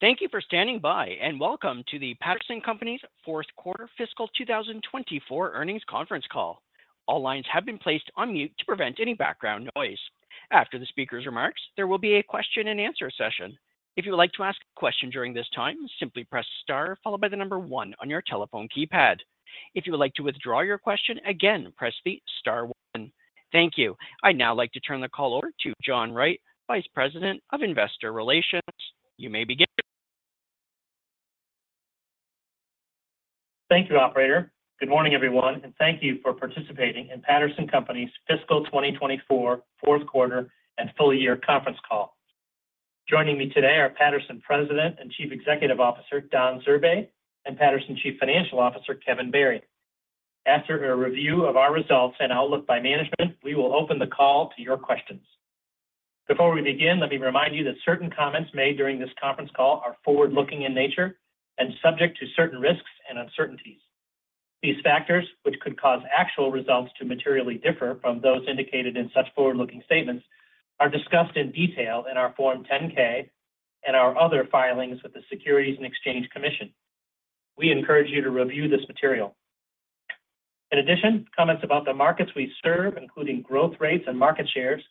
Thank you for standing by, and welcome to the Patterson Companies' fourth quarter fiscal 2024 earnings conference call. All lines have been placed on mute to prevent any background noise. After the speaker's remarks, there will be a question-and-answer session. If you would like to ask a question during this time, simply press star followed by the number 1 on your telephone keypad. If you would like to withdraw your question again, press the star 1. Thank you. I'd now like to turn the call over to John Wright, Vice President of Investor Relations. You may begin. Thank you, operator. Good morning, everyone, and thank you for participating in Patterson Companies' fiscal 2024 fourth quarter and full year conference call. Joining me today are Patterson President and Chief Executive Officer, Don Zurbay, and Patterson Chief Financial Officer, Kevin Barry. After a review of our results and outlook by management, we will open the call to your questions. Before we begin, let me remind you that certain comments made during this conference call are forward-looking in nature and subject to certain risks and uncertainties. These factors, which could cause actual results to materially differ from those indicated in such forward-looking statements, are discussed in detail in our Form 10-K and our other filings with the Securities and Exchange Commission. We encourage you to review this material. In addition, comments about the markets we serve, including growth rates and market shares,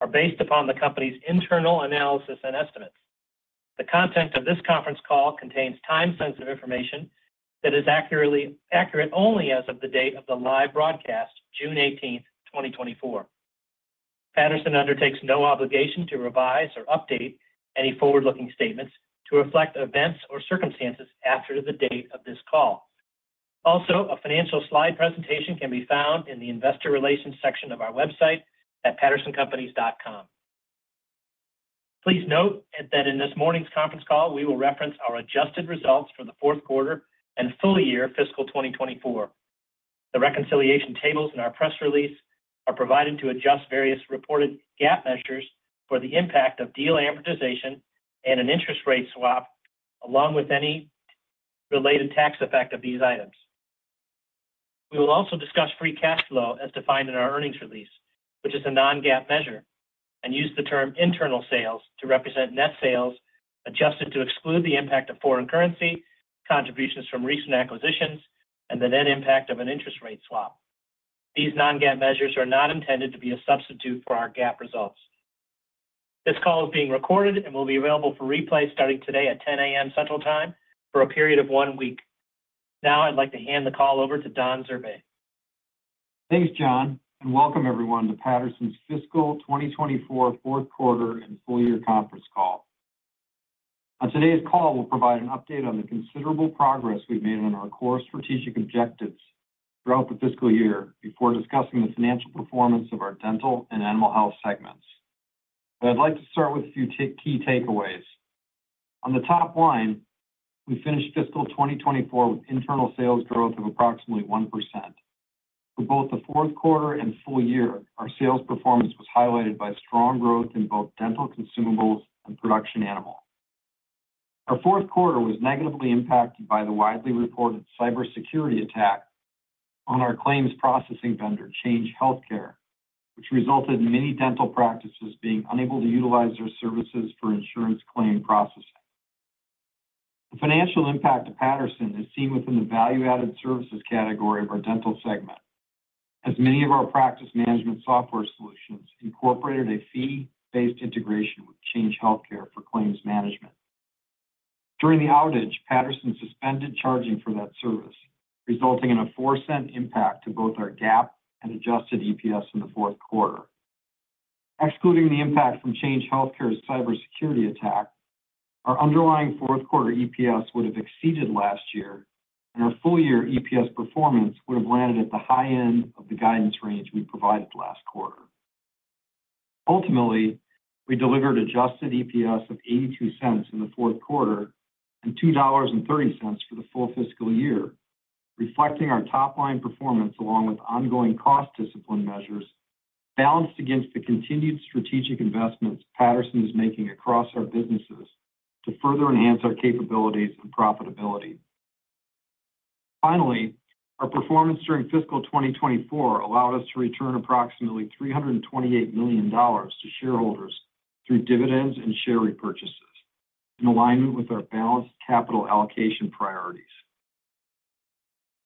are based upon the company's internal analysis and estimates. The content of this conference call contains time-sensitive information that is accurate only as of the date of the live broadcast, June 18, 2024. Patterson undertakes no obligation to revise or update any forward-looking statements to reflect events or circumstances after the date of this call. Also, a financial slide presentation can be found in the Investor Relations section of our website at pattersoncompanies.com. Please note that in this morning's conference call, we will reference our adjusted results for the fourth quarter and full year fiscal 2024. The reconciliation tables in our press release are provided to adjust various reported GAAP measures for the impact of deal amortization and an interest rate swap, along with any related tax effect of these items. We will also discuss free cash flow as defined in our earnings release, which is a non-GAAP measure, and use the term internal sales to represent net sales, adjusted to exclude the impact of foreign currency, contributions from recent acquisitions, and the net impact of an interest rate swap. These non-GAAP measures are not intended to be a substitute for our GAAP results. This call is being recorded and will be available for replay starting today at 10 A.M. Central Time for a period of one week. Now, I'd like to hand the call over to Don Zurbay. Thanks, John, and welcome everyone to Patterson's fiscal 2024 fourth quarter and full year conference call. On today's call, we'll provide an update on the considerable progress we've made on our core strategic objectives throughout the fiscal year before discussing the financial performance of our dental and animal health segments. But I'd like to start with a few key takeaways. On the top line, we finished fiscal 2024 with internal sales growth of approximately 1%. For both the fourth quarter and full year, our sales performance was highlighted by strong growth in both dental consumables and production animal. Our fourth quarter was negatively impacted by the widely reported cybersecurity attack on our claims processing vendor, Change Healthcare, which resulted in many dental practices being unable to utilize their services for insurance claim processing. The financial impact to Patterson is seen within the value-added services category of our dental segment, as many of our practice management software solutions incorporated a fee-based integration with Change Healthcare for claims management. During the outage, Patterson suspended charging for that service, resulting in a $0.04 impact to both our GAAP and adjusted EPS in the fourth quarter. Excluding the impact from Change Healthcare's cybersecurity attack, our underlying fourth quarter EPS would have exceeded last year, and our full-year EPS performance would have landed at the high end of the guidance range we provided last quarter. Ultimately, we delivered adjusted EPS of $0.82 in the fourth quarter and $2.30 for the full fiscal year, reflecting our top-line performance along with ongoing cost discipline measures, balanced against the continued strategic investments Patterson is making across our businesses to further enhance our capabilities and profitability. Finally, our performance during fiscal 2024 allowed us to return approximately $328 million to shareholders through dividends and share repurchases, in alignment with our balanced capital allocation priorities.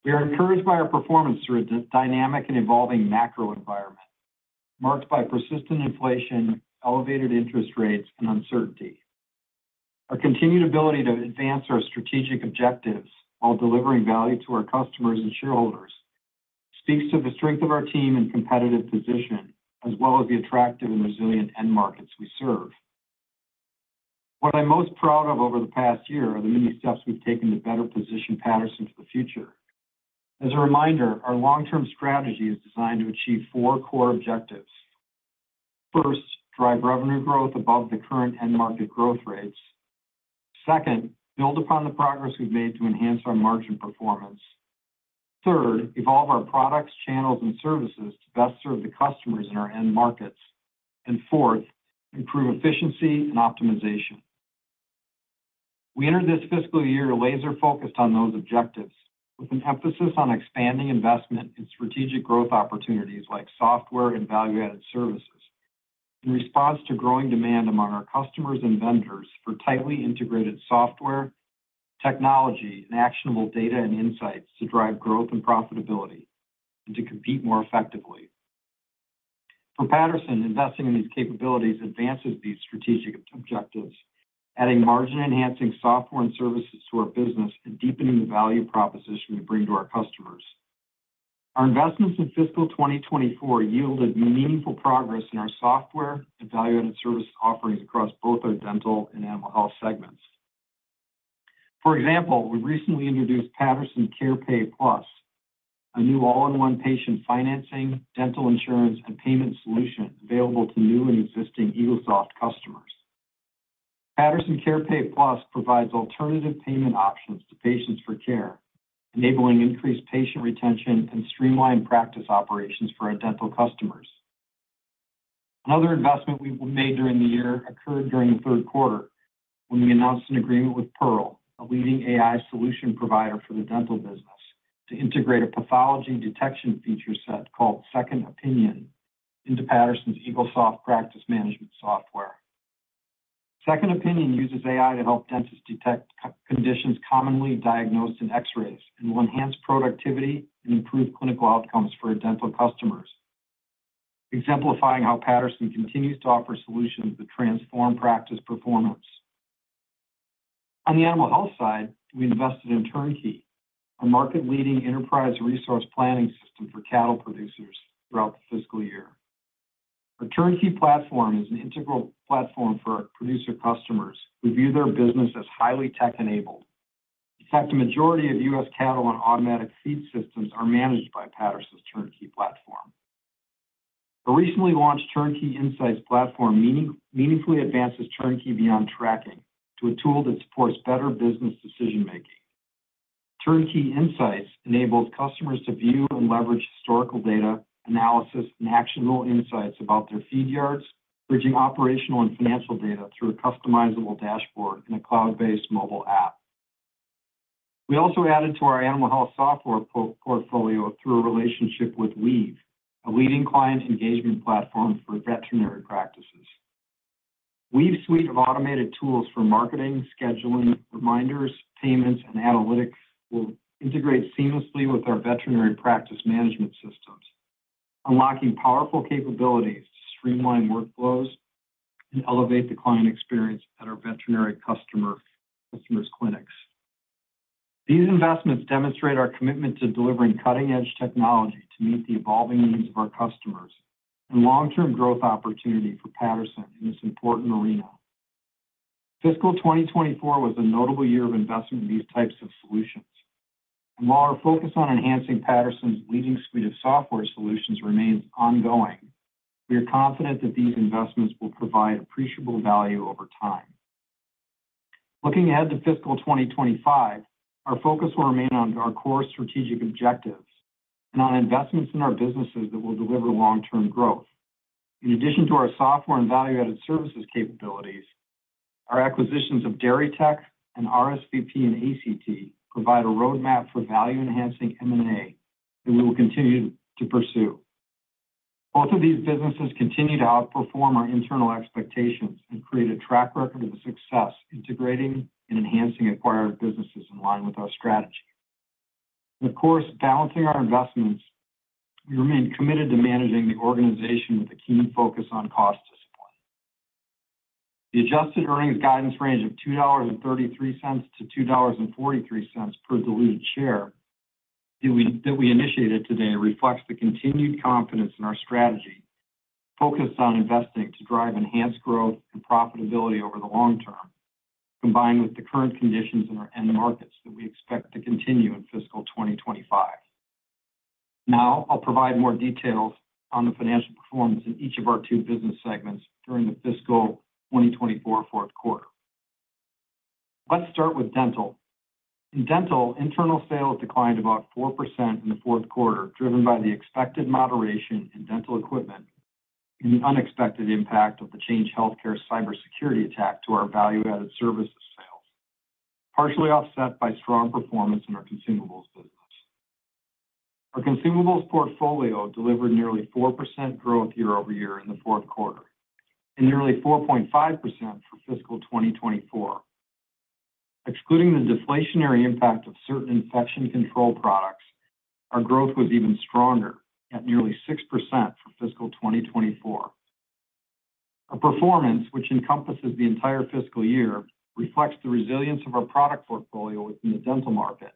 We are encouraged by our performance through a dynamic and evolving macro environment, marked by persistent inflation, elevated interest rates, and uncertainty. Our continued ability to advance our strategic objectives while delivering value to our customers and shareholders speaks to the strength of our team and competitive position, as well as the attractive and resilient end markets we serve. What I'm most proud of over the past year are the many steps we've taken to better position Patterson for the future. As a reminder, our long-term strategy is designed to achieve four core objectives. First, drive revenue growth above the current end market growth rates. Second, build upon the progress we've made to enhance our margin performance. Third, evolve our products, channels, and services to best serve the customers in our end markets. Fourth, improve efficiency and optimization. We entered this fiscal year laser-focused on those objectives, with an emphasis on expanding investment in strategic growth opportunities like software and value-added services. In response to growing demand among our customers and vendors for tightly integrated software, technology, and actionable data and insights to drive growth and profitability, and to compete more effectively. For Patterson, investing in these capabilities advances these strategic objectives, adding margin-enhancing software and services to our business and deepening the value proposition we bring to our customers. Our investments in fiscal 2024 yielded meaningful progress in our software and value-added service offerings across both our dental and animal health segments. For example, we recently introduced Patterson CarePay Plus, a new all-in-one patient financing, dental insurance, and payment solution available to new and existing Eaglesoft customers. Patterson CarePay Plus provides alternative payment options to patients for care, enabling increased patient retention and streamlined practice operations for our dental customers. Another investment we made during the year occurred during the third quarter, when we announced an agreement with Pearl, a leading AI solution provider for the dental business, to integrate a pathology detection feature set called Second Opinion into Patterson's Eaglesoft practice management software. Second Opinion uses AI to help dentists detect conditions commonly diagnosed in X-rays and will enhance productivity and improve clinical outcomes for our dental customers, exemplifying how Patterson continues to offer solutions that transform practice performance. On the animal health side, we invested in Turnkey, a market-leading enterprise resource planning system for cattle producers throughout the fiscal year. The Turnkey platform is an integral platform for our producer customers, who view their business as highly tech-enabled. In fact, a majority of U.S. cattle on automatic feed systems are managed by Patterson's Turnkey platform. The recently launched Turnkey Insights platform meaningfully advances Turnkey beyond tracking to a tool that supports better business decision-making. Turnkey Insights enables customers to view and leverage historical data, analysis, and actionable insights about their feed yards, bridging operational and financial data through a customizable dashboard in a cloud-based mobile app. We also added to our animal health software portfolio through a relationship with Weave, a leading client engagement platform for veterinary practices. Weave's suite of automated tools for marketing, scheduling, reminders, payments, and analytics will integrate seamlessly with our veterinary practice management systems, unlocking powerful capabilities to streamline workflows and elevate the client experience at our veterinary customer, customers' clinics. These investments demonstrate our commitment to delivering cutting-edge technology to meet the evolving needs of our customers and long-term growth opportunity for Patterson in this important arena. Fiscal 2024 was a notable year of investment in these types of solutions. While our focus on enhancing Patterson's leading suite of software solutions remains ongoing, we are confident that these investments will provide appreciable value over time. Looking ahead to fiscal 2025, our focus will remain on our core strategic objectives and on investments in our businesses that will deliver long-term growth. In addition to our software and value-added services capabilities, our acquisitions of Dairy Tech and RSVP and ACT provide a roadmap for value-enhancing M&A that we will continue to pursue. Both of these businesses continue to outperform our internal expectations and create a track record of success, integrating and enhancing acquired businesses in line with our strategy. And of course, balancing our investments, we remain committed to managing the organization with a keen focus on cost discipline. The adjusted earnings guidance range of $2.33-$2.43 per diluted share that we initiated today reflects the continued confidence in our strategy, focused on investing to drive enhanced growth and profitability over the long term, combined with the current conditions in our end markets that we expect to continue in fiscal 2025. Now, I'll provide more details on the financial performance in each of our two business segments during the fiscal 2024 fourth quarter. Let's start with dental. In dental, internal sales declined about 4% in the fourth quarter, driven by the expected moderation in dental equipment and the unexpected impact of the Change Healthcare cybersecurity attack to our value-added services sales, partially offset by strong performance in our consumables business. Our consumables portfolio delivered nearly 4% growth year-over-year in the fourth quarter and nearly 4.5% for fiscal 2024. Excluding the deflationary impact of certain infection control products, our growth was even stronger, at nearly 6% for fiscal 2024. Our performance, which encompasses the entire fiscal year, reflects the resilience of our product portfolio within the dental market,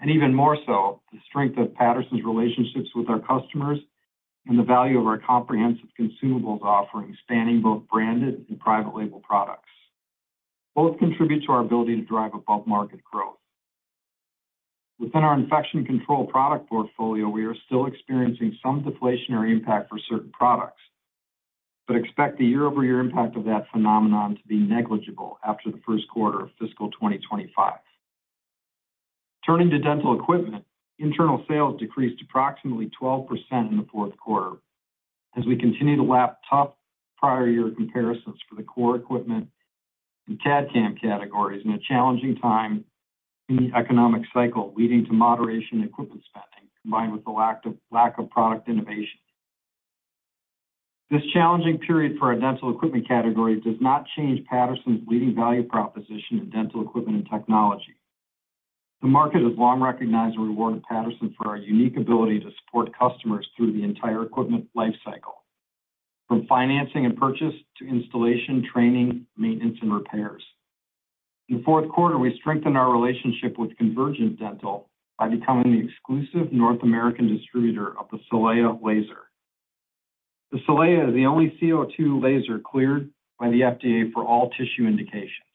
and even more so, the strength of Patterson's relationships with our customers and the value of our comprehensive consumables offering, spanning both branded and private label products. Both contribute to our ability to drive above-market growth. Within our infection control product portfolio, we are still experiencing some deflationary impact for certain products, but expect the year-over-year impact of that phenomenon to be negligible after the first quarter of fiscal 2025. Turning to dental equipment, internal sales decreased approximately 12% in the fourth quarter as we continue to lap tough prior year comparisons for the core equipment and CAD/CAM categories in a challenging time in the economic cycle, leading to moderation in equipment spending, combined with the lack of product innovation. This challenging period for our dental equipment category does not change Patterson's leading value proposition in dental equipment and technology. The market has long recognized and rewarded Patterson for our unique ability to support customers through the entire equipment lifecycle, from financing and purchase to installation, training, maintenance, and repairs. In the fourth quarter, we strengthened our relationship with Convergent Dental by becoming the exclusive North American distributor of the Solea laser. The Solea is the only CO2 laser cleared by the FDA for all tissue indications.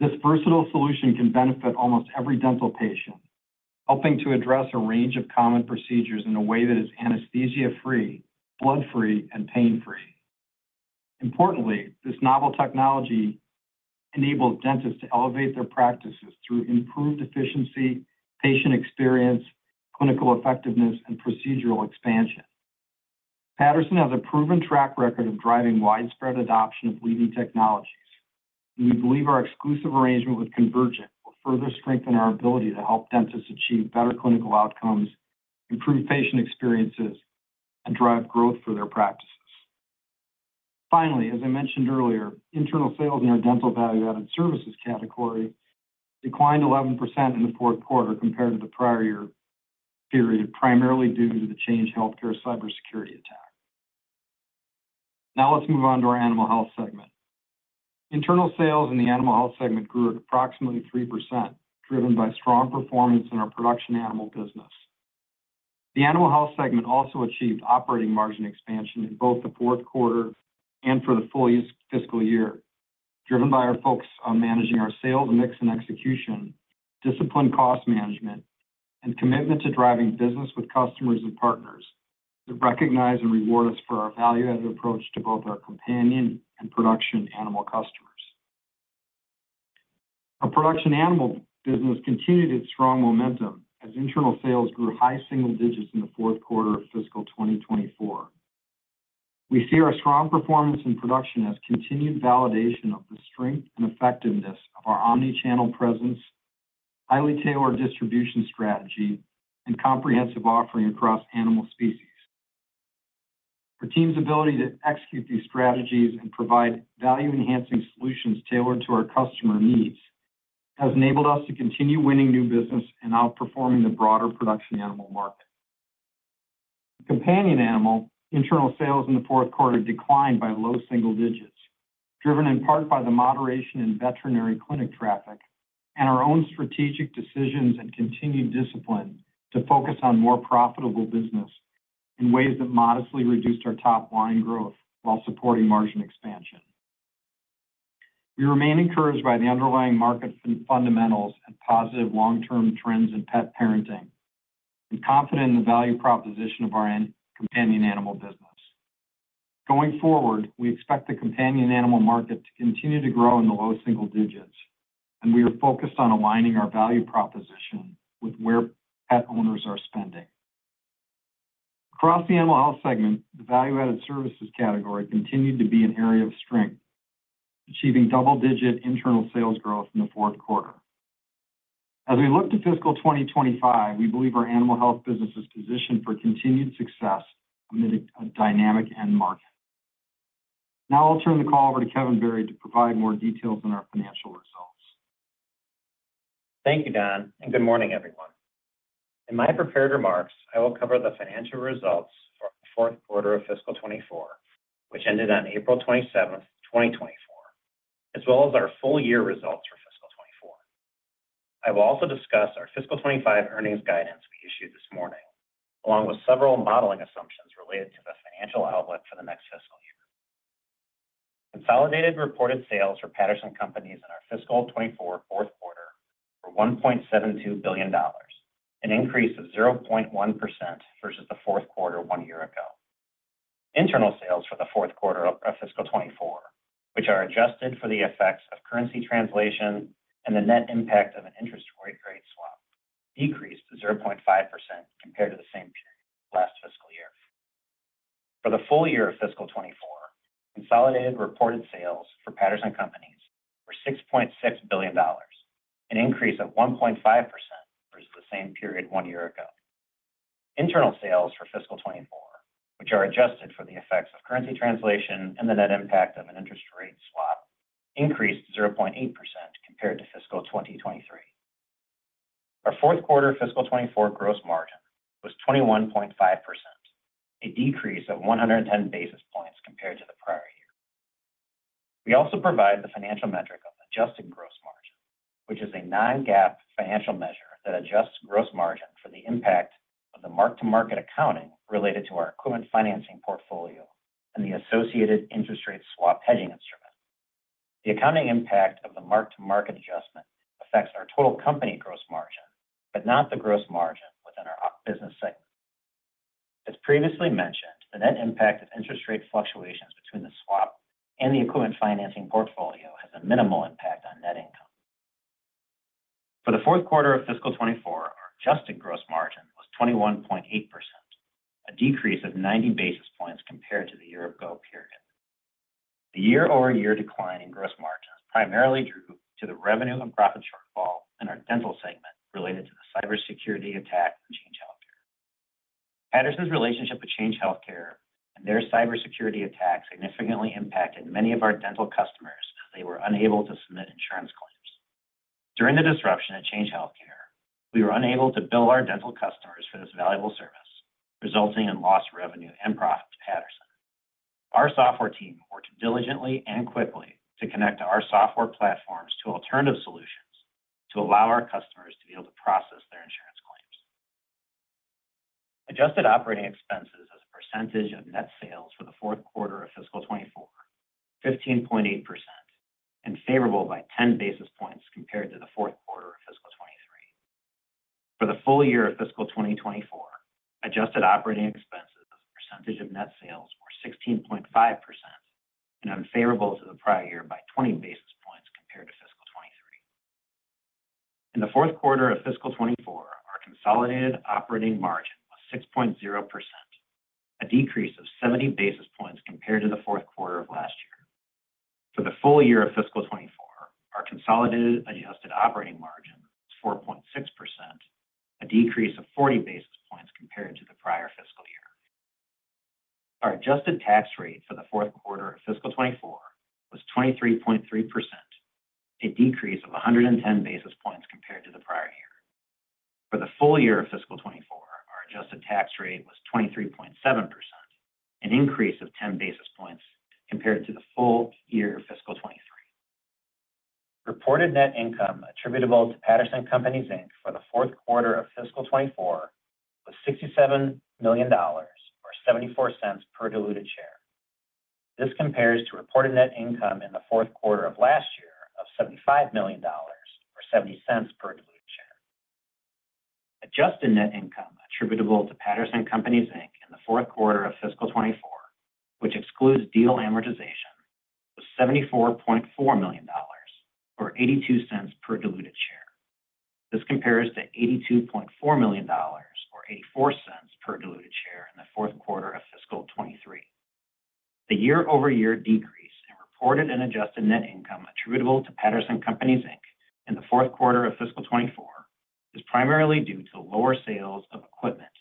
This versatile solution can benefit almost every dental patient, helping to address a range of common procedures in a way that is anesthesia-free, blood-free, and pain-free. Importantly, this novel technology enables dentists to elevate their practices through improved efficiency, patient experience, clinical effectiveness, and procedural expansion. Patterson has a proven track record of driving widespread adoption of leading technologies, and we believe our exclusive arrangement with Convergent will further strengthen our ability to help dentists achieve better clinical outcomes, improve patient experiences, and drive growth for their practices. Finally, as I mentioned earlier, internal sales in our Dental Value Added Services category declined 11% in the fourth quarter compared to the prior year period, primarily due to the Change Healthcare cybersecurity attack. Now let's move on to our Animal Health segment. Internal sales in the Animal Health segment grew at approximately 3%, driven by strong performance in our production animal business. The Animal Health segment also achieved operating margin expansion in both the fourth quarter and for the full fiscal year, driven by our focus on managing our sales mix and execution, disciplined cost management, and commitment to driving business with customers and partners, to recognize and reward us for our value-added approach to both our companion and production animal customers. Our production animal business continued its strong momentum as internal sales grew high single digits in the fourth quarter of fiscal 2024. We see our strong performance in production as continued validation of the strength and effectiveness of our omni-channel presence, highly tailored distribution strategy, and comprehensive offering across animal species. Our team's ability to execute these strategies and provide value-enhancing solutions tailored to our customer needs has enabled us to continue winning new business and outperforming the broader production animal market. Companion Animal internal sales in the fourth quarter declined by low single digits, driven in part by the moderation in veterinary clinic traffic and our own strategic decisions and continued discipline to focus on more profitable business in ways that modestly reduced our top-line growth while supporting margin expansion. We remain encouraged by the underlying market fundamentals and positive long-term trends in pet parenting, and confident in the value proposition of our companion animal business. Going forward, we expect the companion animal market to continue to grow in the low single digits, and we are focused on aligning our value proposition with where pet owners are spending. Across the Animal Health segment, the value-added services category continued to be an area of strength, achieving double-digit internal sales growth in the fourth quarter. As we look to fiscal 2025, we believe our Animal Health business is positioned for continued success amid a dynamic end market. Now I'll turn the call over to Kevin Barry to provide more details on our financial results. Thank you, Don, and good morning, everyone. In my prepared remarks, I will cover the financial results for the fourth quarter of fiscal 2024, which ended on April 27, 2024, as well as our full year results for fiscal 2024. I will also discuss our fiscal 2025 earnings guidance we issued this morning, along with several modeling assumptions related to the financial outlook for the next fiscal year. Consolidated reported sales for Patterson Companies in our fiscal 2024 fourth quarter were $1.72 billion, an increase of 0.1% versus the fourth quarter one year ago. Internal sales for the fourth quarter of fiscal 2024, which are adjusted for the effects of currency translation and the net impact of an interest rate swap, decreased 0.5% compared to the same period last fiscal year. For the full year of fiscal 2024, consolidated reported sales for Patterson Companies were $6.6 billion, an increase of 1.5% versus the same period one year ago. Internal sales for fiscal 2024, which are adjusted for the effects of currency translation and the net impact of an interest rate swap, increased 0.8% compared to fiscal 2023. Our fourth quarter fiscal 2024 gross margin was 21.5%, a decrease of 110 basis points compared to the prior year. We also provide the financial metric of adjusted gross margin, which is a non-GAAP financial measure that adjusts gross margin for the impact of the mark-to-market accounting related to our equipment financing portfolio and the associated interest rate swap hedging instrument. The accounting impact of the mark-to-market adjustment affects our total company gross margin, but not the gross margin within our business segment. As previously mentioned, the net impact of interest rate fluctuations between the swap and the equipment financing portfolio has a minimal impact. For the fourth quarter of fiscal 2024, our adjusted gross margin was 21.8%, a decrease of 90 basis points compared to the year-ago period. The year-over-year decline in gross margins primarily drew to the revenue and profit shortfall in our dental segment related to the cybersecurity attack on Change Healthcare. Patterson's relationship with Change Healthcare and their cybersecurity attack significantly impacted many of our dental customers, as they were unable to submit insurance claims. During the disruption at Change Healthcare, we were unable to bill our dental customers for this valuable service, resulting in lost revenue and profit to Patterson. Our software team worked diligently and quickly to connect our software platforms to alternative solutions to allow our customers to be able to process their insurance claims. Adjusted operating expenses as a percentage of net sales for the fourth quarter of fiscal 2024, 15.8%, and favorable by 10 basis points compared to the fourth quarter of fiscal 2023. For the full year of fiscal 2024, adjusted operating expenses as a percentage of net sales were 16.5% and unfavorable to the prior year by 20 basis points compared to fiscal 2023. In the fourth quarter of fiscal 2024, our consolidated operating margin was 6.0%, a decrease of 70 basis points compared to the fourth quarter of last year. For the full year of fiscal 2024, our consolidated adjusted operating margin was 4.6%, a decrease of 40 basis points compared to the prior fiscal year. Our adjusted tax rate for the fourth quarter of fiscal 2024 was 23.3%, a decrease of 110 basis points compared to the prior year. For the full year of fiscal 2024, our adjusted tax rate was 23.7%, an increase of 10 basis points compared to the full year of fiscal 2023. Reported net income attributable to Patterson Companies, Inc. for the fourth quarter of fiscal 2024 was $67 million, or $0.74 per diluted share. This compares to reported net income in the fourth quarter of last year of $75 million, or $0.70 per diluted share. Adjusted net income attributable to Patterson Companies, Inc. In the fourth quarter of fiscal 2024, which excludes deal amortization, was $74.4 million, or $0.82 per diluted share. This compares to $82.4 million, or $0.84 per diluted share in the fourth quarter of fiscal 2023. The year-over-year decrease in reported and adjusted net income attributable to Patterson Companies, Inc. in the fourth quarter of fiscal 2024 is primarily due to lower sales of equipment,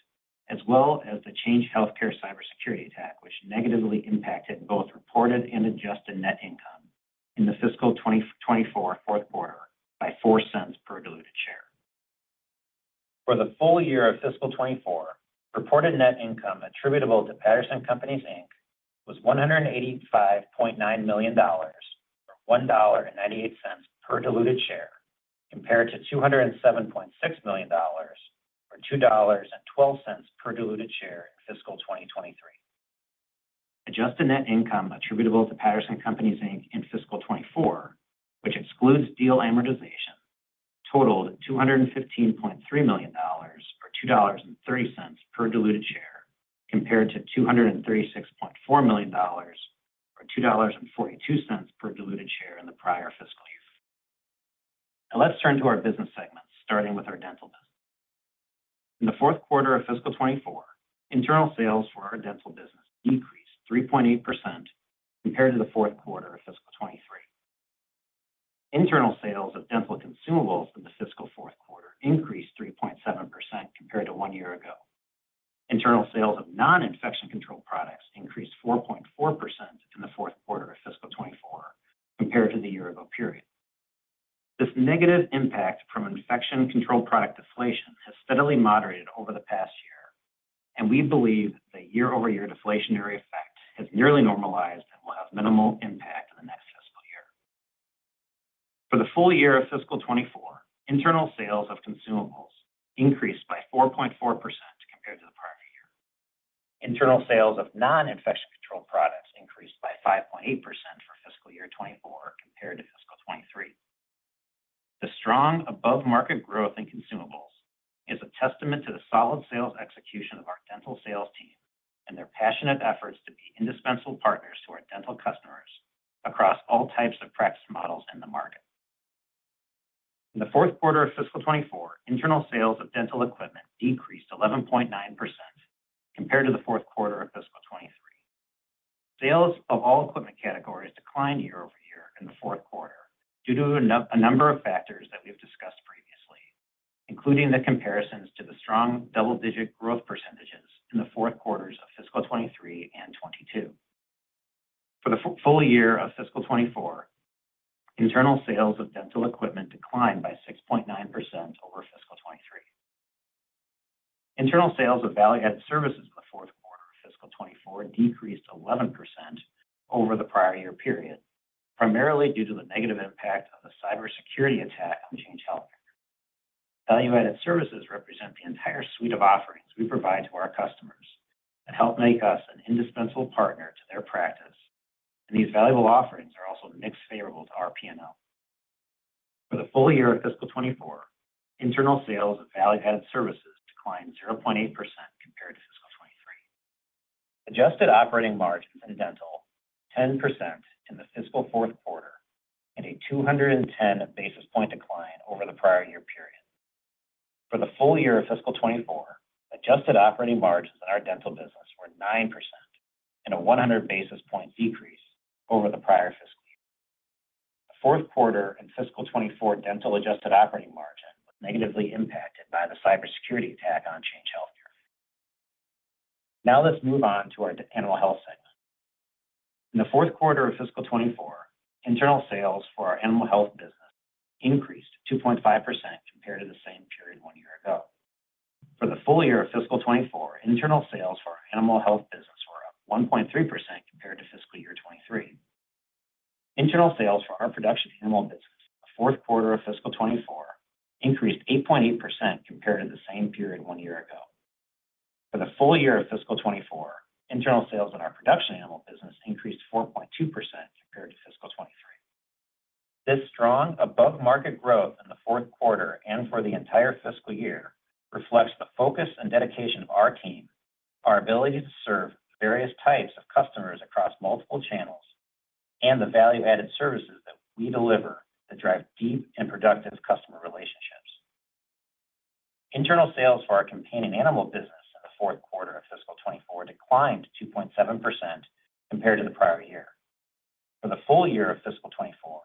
as well as the Change Healthcare cybersecurity attack, which negatively impacted both reported and adjusted net income in the fiscal 2024 fourth quarter by $0.04 per diluted share. For the full year of fiscal 2024, reported net income attributable to Patterson Companies, Inc. was $185.9 million, or $1.98 per diluted share, compared to $207.6 million, or $2.12 per diluted share in fiscal 2023. Adjusted net income attributable to Patterson Companies, Inc. in fiscal 2024, which excludes deal amortization, totaled $215.3 million, or $2.30 per diluted share, compared to $236.4 million, or $2.42 per diluted share in the prior fiscal year. Now let's turn to our business segments, starting with our dental business. In the fourth quarter of fiscal 2024, internal sales for our dental business decreased 3.8% compared to the fourth quarter of fiscal 2023. Internal sales of dental consumables for the fiscal fourth quarter increased 3.7% compared to one year ago. Internal sales of non-infection control products increased 4.4% in the fourth quarter of fiscal 2024 compared to the year ago period. This negative impact from infection control product deflation has steadily moderated over the past year, and we believe the year-over-year deflationary effect has nearly normalized and will have minimal impact in the next fiscal year. For the full year of fiscal 2024, internal sales of consumables increased by 4.4% compared to the prior year. Internal sales of non-infection control products increased by 5.8% for fiscal year 2024 compared to fiscal 2023. The strong above-market growth in consumables is a testament to the solid sales execution of our dental sales team and their passionate efforts to be indispensable partners to our dental customers across all types of practice models in the market. In the fourth quarter of fiscal 2024, internal sales of dental equipment decreased 11.9% compared to the fourth quarter of fiscal 2023. Sales of all equipment categories declined year-over-year in the fourth quarter due to a number of factors that we've discussed previously, including the comparisons to the strong double-digit growth percentages in the fourth quarters of fiscal 2023 and 2022. For the full year of fiscal 2024, internal sales of dental equipment declined by 6.9% over fiscal 2023. Internal sales of value-added services in the fourth quarter of fiscal 2024 decreased 11% over the prior year period, primarily due to the negative impact of the cybersecurity attack on Change Healthcare. Value-added services represent the entire suite of offerings we provide to our customers and help make us an indispensable partner to their practice, and these valuable offerings are also mixed favorable to our PL. For the full year of fiscal 2024, internal sales of value-added services declined 0.8%. Adjusted operating margins in dental, 10% in the fiscal fourth quarter and a 210 basis point decline over the prior year period. For the full year of fiscal 2024, adjusted operating margins in our dental business were 9% and a 100 basis point decrease over the prior fiscal year. The fourth quarter and fiscal 2024 dental adjusted operating margin was negatively impacted by the cybersecurity attack on Change Healthcare. Now let's move on to our animal health segment. In the fourth quarter of fiscal 2024, internal sales for our animal health business increased 2.5% compared to the same period one year ago. For the full year of fiscal 2024, internal sales for our animal health business were up 1.3% compared to fiscal year 2023. Internal sales for our production animal business in the fourth quarter of fiscal 2024 increased 8.8% compared to the same period one year ago. For the full year of fiscal 2024, internal sales in our production animal business increased 4.2% compared to fiscal 2023. This strong above-market growth in the fourth quarter and for the entire fiscal year reflects the focus and dedication of our team, our ability to serve various types of customers across multiple channels, and the value-added services that we deliver that drive deep and productive customer relationships. Internal sales for our companion animal business in the fourth quarter of fiscal 2024 declined 2.7% compared to the prior year. For the full year of fiscal 2024,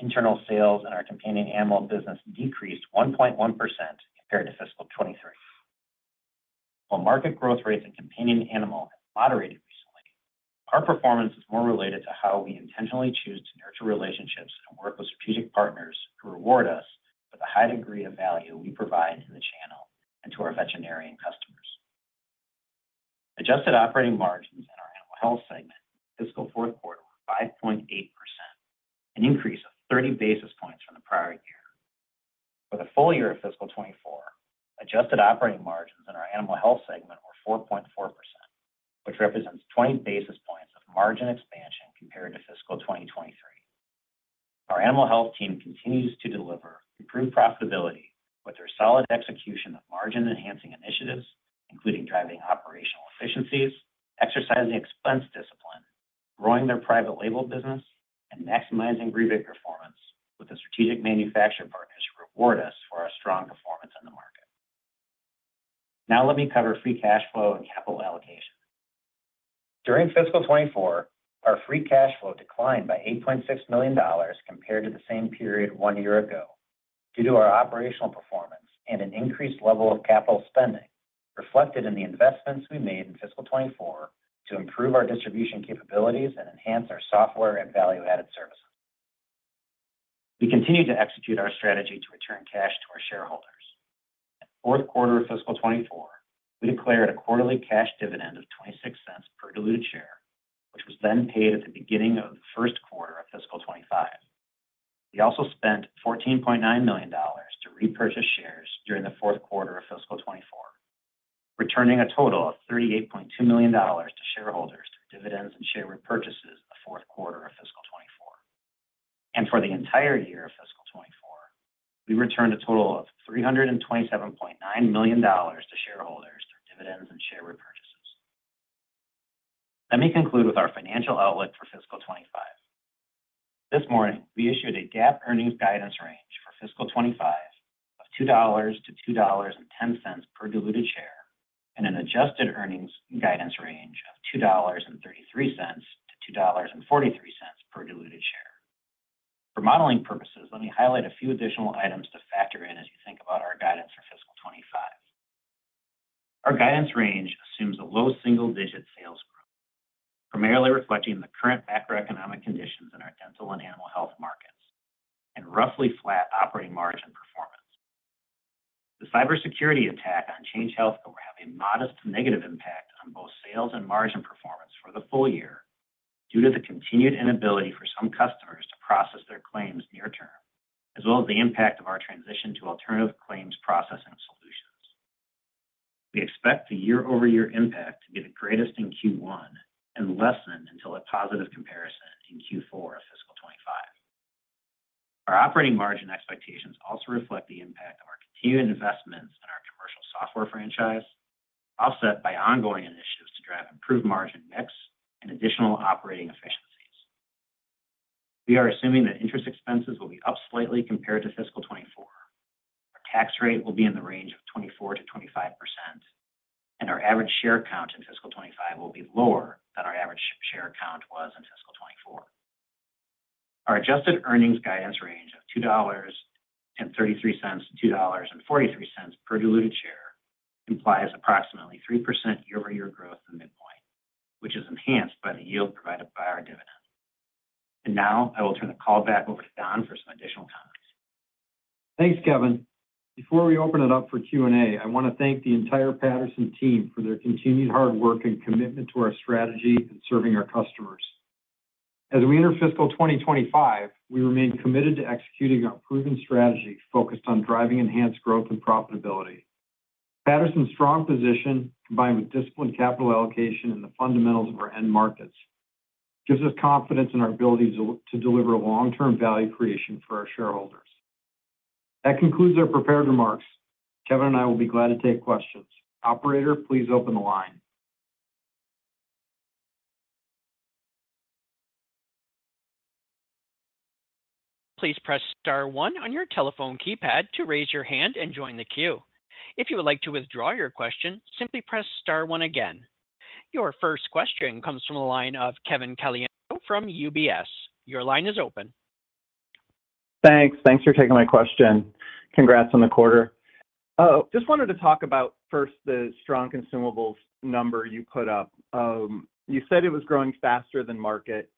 internal sales in our companion animal business decreased 1.1% compared to fiscal 2023. While market growth rates in companion animal have moderated recently, our performance is more related to how we intentionally choose to nurture relationships and work with strategic partners who reward us with a high degree of value we provide in the channel and to our veterinarian customers. Adjusted operating margins in our animal health segment, fiscal fourth quarter, were 5.8%, an increase of 30 basis points from the prior year. For the full year of fiscal 2024, adjusted operating margins in our animal health segment were 4.4%, which represents 20 basis points of margin expansion compared to fiscal 2023. Our animal health team continues to deliver improved profitability with their solid execution of margin-enhancing initiatives, including driving operational efficiencies, exercising expense discipline, growing their private label business, and maximizing rebate performance with the strategic manufacturer partners to reward us for our strong performance in the market. Now let me cover free cash flow and capital allocation. During fiscal 2024, our free cash flow declined by $8.6 million compared to the same period one year ago, due to our operational performance and an increased level of capital spending, reflected in the investments we made in fiscal 2024 to improve our distribution capabilities and enhance our software and value-added services. We continued to execute our strategy to return cash to our shareholders. In the fourth quarter of fiscal 2024, we declared a quarterly cash dividend of $0.26 per diluted share, which was then paid at the beginning of the first quarter of fiscal 2025. We also spent $14.9 million to repurchase shares during the fourth quarter of fiscal 2024, returning a total of $38.2 million to shareholders through dividends and share repurchases in the fourth quarter of fiscal 2024. For the entire year of fiscal 2024, we returned a total of $327.9 million to shareholders through dividends and share repurchases. Let me conclude with our financial outlook for fiscal 2025. This morning, we issued a GAAP earnings guidance range for fiscal 2025 of $2.00-$2.10 per diluted share, and an adjusted earnings guidance range of $2.33-$2.43 per diluted share. For modeling purposes, let me highlight a few additional items to factor in as you think about our guidance for fiscal 2025. Our guidance range assumes a low single-digit sales growth, primarily reflecting the current macroeconomic conditions in our dental and animal health markets and roughly flat operating margin performance. The cybersecurity attack on Change Healthcare will have a modest negative impact on both sales and margin performance for the full year, due to the continued inability for some customers to process their claims near term, as well as the impact of our transition to alternative claims processing solutions. We expect the year-over-year impact to be the greatest in Q1 and lessen until a positive comparison in Q4 of fiscal 2025. Our operating margin expectations also reflect the impact of our continued investments in our commercial software franchise, offset by ongoing initiatives to drive improved margin mix and additional operating efficiencies. We are assuming that interest expenses will be up slightly compared to fiscal 2024. Our tax rate will be in the range of 24%-25%, and our average share count in fiscal 2025 will be lower than our average share count was in fiscal 2024. Our adjusted earnings guidance range of $2.33-$2.43 per diluted share implies approximately 3% year-over-year growth in midpoint, which is enhanced by the yield provided by our dividend. Now, I will turn the call back over to Don for some additional comments. Thanks, Kevin. Before we open it up for Q&A, I want to thank the entire Patterson team for their continued hard work and commitment to our strategy in serving our customers. As we enter fiscal 2025, we remain committed to executing our proven strategy focused on driving enhanced growth and profitability. Patterson's strong position, combined with disciplined capital allocation and the fundamentals of our end markets, gives us confidence in our ability to deliver long-term value creation for our shareholders.... That concludes our prepared remarks. Kevin and I will be glad to take questions. Operator, please open the line. Please press star one on your telephone keypad to raise your hand and join the queue. If you would like to withdraw your question, simply press star one again. Your first question comes from the line of Kevin Caliendo from UBS. Your line is open. Thanks. Thanks for taking my question. Congrats on the quarter. Just wanted to talk about, first, the strong consumables number you put up. You said it was growing faster than market.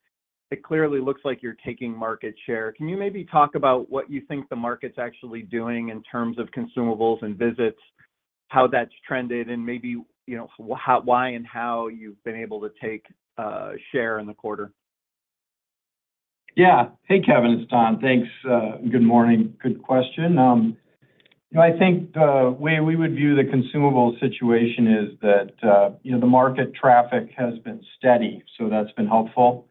It clearly looks like you're taking market share. Can you maybe talk about what you think the market's actually doing in terms of consumables and visits, how that's trended, and maybe, you know, why and how you've been able to take share in the quarter? Yeah. Hey, Kevin, it's Don. Thanks. Good morning. Good question. You know, I think the way we would view the consumable situation is that, you know, the market traffic has been steady, so that's been helpful.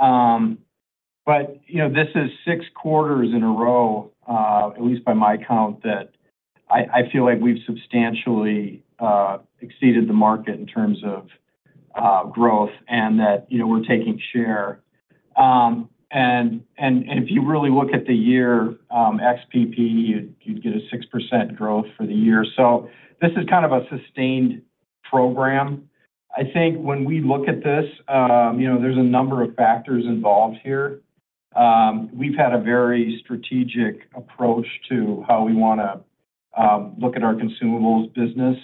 But, you know, this is six quarters in a row, at least by my count, that I feel like we've substantially exceeded the market in terms of growth and that, you know, we're taking share. And if you really look at the year, ex PPE, you'd get a 6% growth for the year. So this is kind of a sustained program. I think when we look at this, you know, there's a number of factors involved here. We've had a very strategic approach to how we wanna look at our consumables business.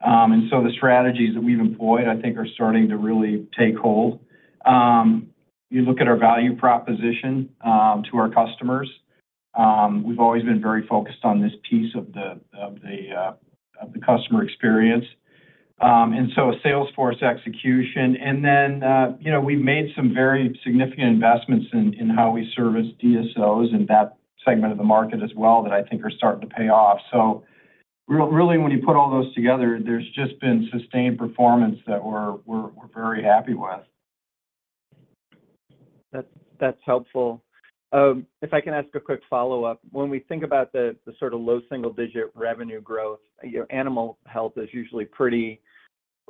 And so the strategies that we've employed, I think, are starting to really take hold. You look at our value proposition to our customers. We've always been very focused on this piece of the customer experience. And so a sales force execution, and then, you know, we've made some very significant investments in how we service DSOs and that segment of the market as well, that I think are starting to pay off. So really, when you put all those together, there's just been sustained performance that we're very happy with. That's, that's helpful. If I can ask a quick follow-up. When we think about the sort of low single-digit revenue growth, you know, animal health is usually pretty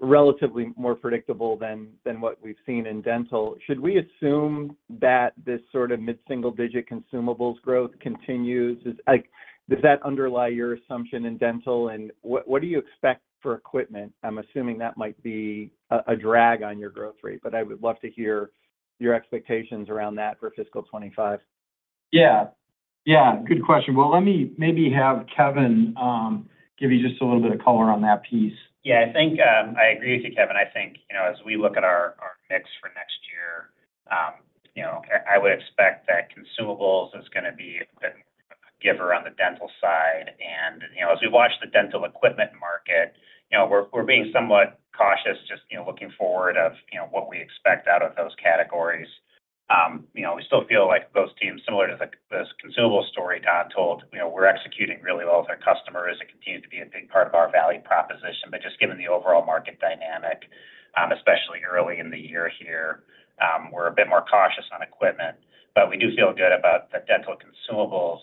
relatively more predictable than what we've seen in dental. Should we assume that this sort of mid-single digit consumables growth continues? Does that underlie your assumption in dental, and what do you expect for equipment? I'm assuming that might be a drag on your growth rate, but I would love to hear your expectations around that for fiscal 2025. Yeah. Yeah, good question. Well, let me maybe have Kevin give you just a little bit of color on that piece. Yeah, I think, I agree with you, Kevin. I think, you know, as we look at our, our mix for next year, you know, I, I would expect that consumables is gonna be the giver on the dental side. And, you know, as we watch the dental equipment market, you know, we're, we're being somewhat cautious, just, you know, looking forward of, you know, what we expect out of those categories. You know, we still feel like those teams, similar to the, this consumable story Don told, you know, we're executing really well with our customers. It continues to be a big part of our value proposition. But just given the overall market dynamic, especially early in the year here, we're a bit more cautious on equipment. But we do feel good about the dental consumables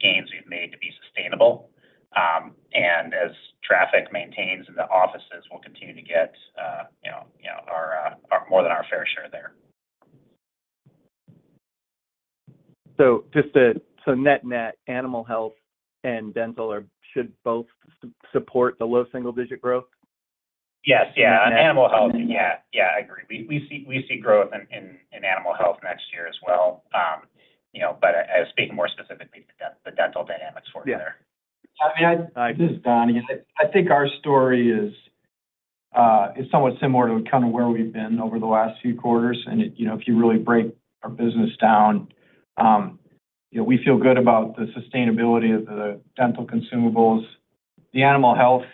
gains we've made to be sustainable. And as traffic maintains in the offices, we'll continue to get, you know, you know, our more than our fair share there. So net-net, animal health and dental should both support the low single-digit growth? Yes. Yeah. Yeah. On animal health, yeah. Yeah, I agree. We see growth in animal health next year as well. You know, but I was speaking more specifically to the dental dynamics for you there. Yeah. I mean, Thanks. This is Don. Again, I think our story is somewhat similar to kind of where we've been over the last few quarters. And, you know, if you really break our business down, you know, we feel good about the sustainability of the dental consumables. The animal health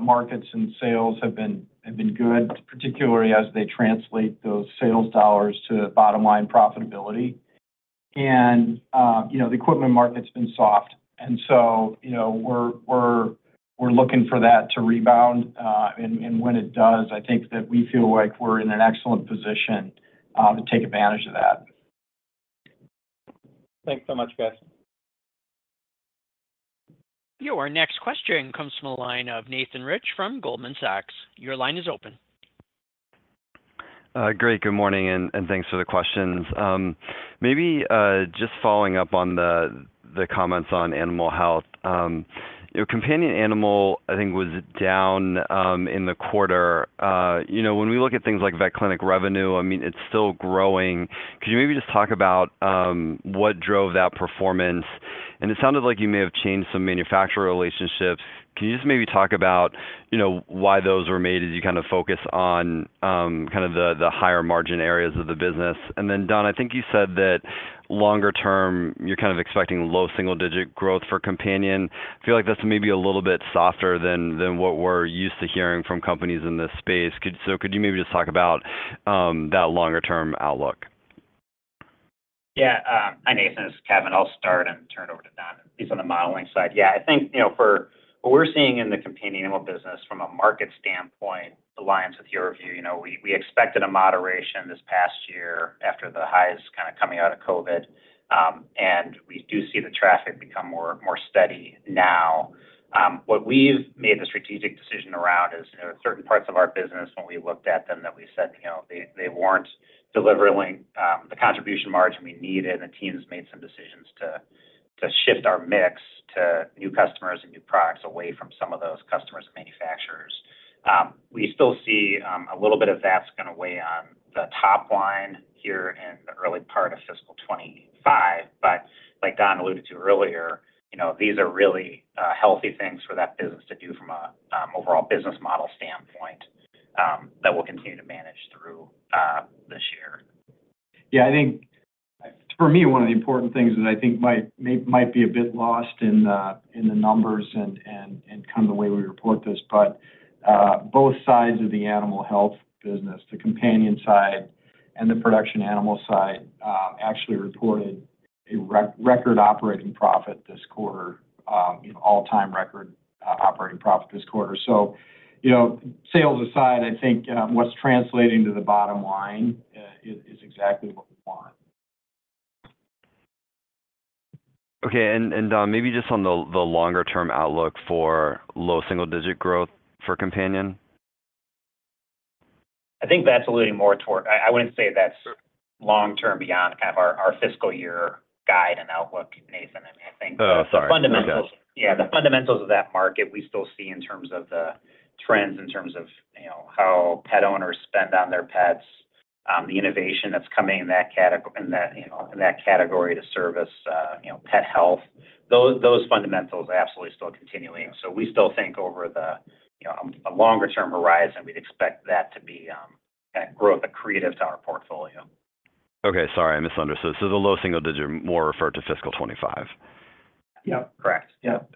markets and sales have been good, particularly as they translate those sales dollars to bottom-line profitability. And, you know, the equipment market's been soft, and so, you know, we're looking for that to rebound. And when it does, I think that we feel like we're in an excellent position to take advantage of that. Thanks so much, guys. Your next question comes from the line of Nathan Rich from Goldman Sachs. Your line is open. Great. Good morning, and thanks for the questions. Maybe just following up on the comments on animal health. You know, companion animal, I think, was down in the quarter. You know, when we look at things like vet clinic revenue, I mean, it's still growing. Could you maybe just talk about what drove that performance? And it sounded like you may have changed some manufacturer relationships. Can you just maybe talk about, you know, why those were made as you kind of focus on kind of the higher margin areas of the business? And then, Don, I think you said that longer term, you're kind of expecting low single-digit growth for companion. I feel like that's maybe a little bit softer than what we're used to hearing from companies in this space. So could you maybe just talk about that longer term outlook? Yeah, hi, Nathan, it's Kevin. I'll start and turn it over to Don. He's on the modeling side. Yeah, I think, you know, for what we're seeing in the companion animal business from a market standpoint, it aligns with your review. You know, we expected a moderation this past year, the highs kind of coming out of COVID, and we do see the traffic become more steady now. What we've made the strategic decision around is, you know, certain parts of our business, when we looked at them, that we said, you know, they weren't delivering the contribution margin we needed, and the teams made some decisions to shift our mix to new customers and new products away from some of those customers and manufacturers. We still see a little bit of that's gonna weigh on the top line here in the early part of fiscal 25. But like Don alluded to earlier, you know, these are really healthy things for that business to do from a overall business model standpoint that we'll continue to manage through this year. Yeah, I think for me, one of the important things that I think might be a bit lost in the numbers and kind of the way we report this, but both sides of the animal health business, the companion side and the production animal side, actually reported a record operating profit this quarter, you know, all-time record operating profit this quarter. So, you know, sales aside, I think what's translating to the bottom line is exactly what we want. Okay, maybe just on the longer-term outlook for low single-digit growth for companion. I think that's alluding more toward... I, I wouldn't say that's long term beyond kind of our, our fiscal year guide and outlook, Nathan. I mean, I think- Oh, sorry. The fundamentals- Okay. Yeah, the fundamentals of that market, we still see in terms of the trends, in terms of, you know, how pet owners spend on their pets, the innovation that's coming in that category to service, you know, pet health, those, those fundamentals are absolutely still continuing. So we still think over the, you know, a longer-term horizon, we'd expect that to be, a growth accretive to our portfolio. Okay. Sorry, I misunderstood. So the low single digit more referred to fiscal 2025? Yep, correct. Yep.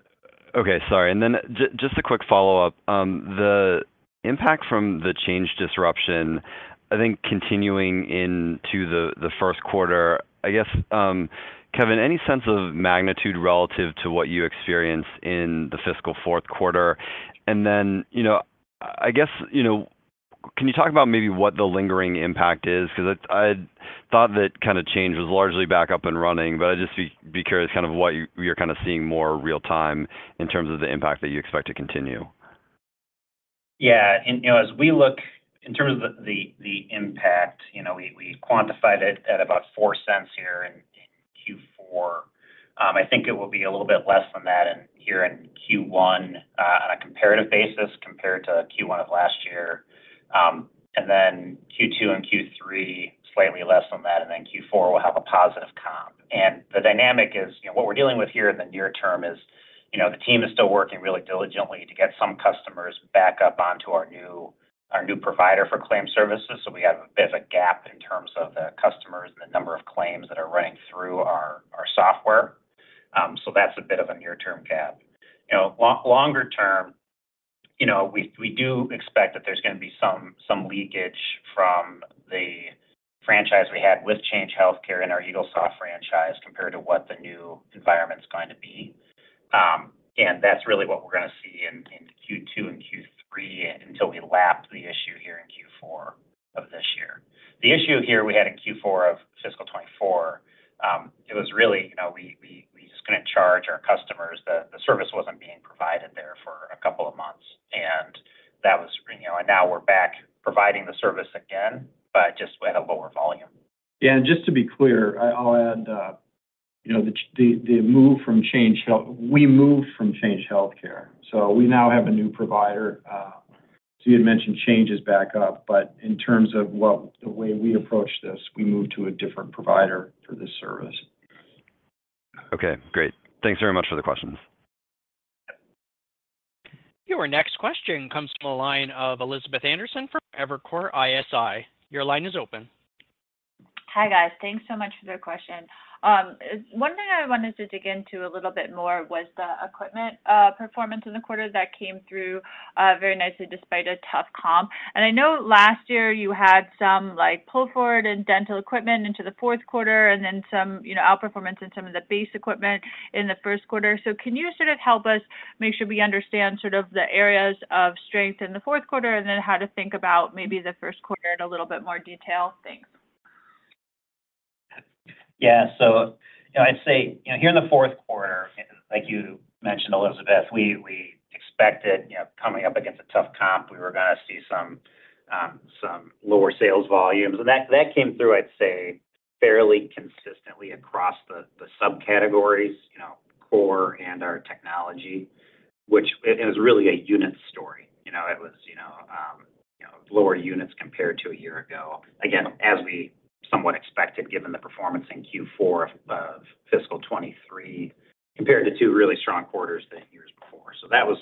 Okay. Sorry. And then just a quick follow-up. The impact from the Change disruption, I think, continuing into the first quarter, I guess, Kevin, any sense of magnitude relative to what you experienced in the fiscal fourth quarter? And then, you know, I guess, you know, can you talk about maybe what the lingering impact is? 'Cause I thought that kind of Change was largely back up and running, but I'd just be curious kind of what you're kind of seeing more real time in terms of the impact that you expect to continue. Yeah. And, you know, as we look in terms of the impact, you know, we quantified it at about $0.04 here in Q4. I think it will be a little bit less than that in Q1, on a comparative basis, compared to Q1 of last year. And then Q2 and Q3, slightly less than that, and then Q4 will have a positive comp. And the dynamic is, you know, what we're dealing with here in the near term is, you know, the team is still working really diligently to get some customers back up onto our new provider for claim services. So we have there's a gap in terms of the customers and the number of claims that are running through our software. So that's a bit of a near-term gap. You know, longer term, you know, we do expect that there's gonna be some leakage from the franchise we had with Change Healthcare and our Eaglesoft franchise, compared to what the new environment's going to be. And that's really what we're gonna see in Q2 and Q3 until we lap the issue here in Q4 of this year. The issue here we had in Q4 of fiscal 2024, it was really, you know, we just couldn't charge our customers. The service wasn't being provided there for a couple of months, and that was, you know. And now we're back providing the service again, but just at a lower volume. Yeah, and just to be clear, I, I'll add, you know, the move from Change Healthcare... We moved from Change Healthcare, so we now have a new provider. So you had mentioned Change is back up, but in terms of what, the way we approach this, we moved to a different provider for this service. Okay, great. Thanks very much for the questions. Your next question comes from the line of Elizabeth Anderson from Evercore ISI. Your line is open. Hi, guys. Thanks so much for the question. One thing I wanted to dig into a little bit more was the equipment performance in the quarter. That came through very nicely despite a tough comp. And I know last year you had some, like, pull-forward in dental equipment into the fourth quarter, and then some, you know, outperformance in some of the base equipment in the first quarter. So can you sort of help us make sure we understand sort of the areas of strength in the fourth quarter, and then how to think about maybe the first quarter in a little bit more detail? Thanks. Yeah. So, you know, I'd say, you know, here in the fourth quarter, and like you mentioned, Elizabeth, we expected, you know, coming up against a tough comp, we were gonna see some some lower sales volumes. And that came through, I'd say, fairly consistently across the subcategories, you know, core and our technology, which it was really a unit story. You know, it was, you know, you know, lower units compared to a year ago. Again, as we somewhat expected, given the performance in Q4 of fiscal 2023, compared to two really strong quarters the years before. So that was.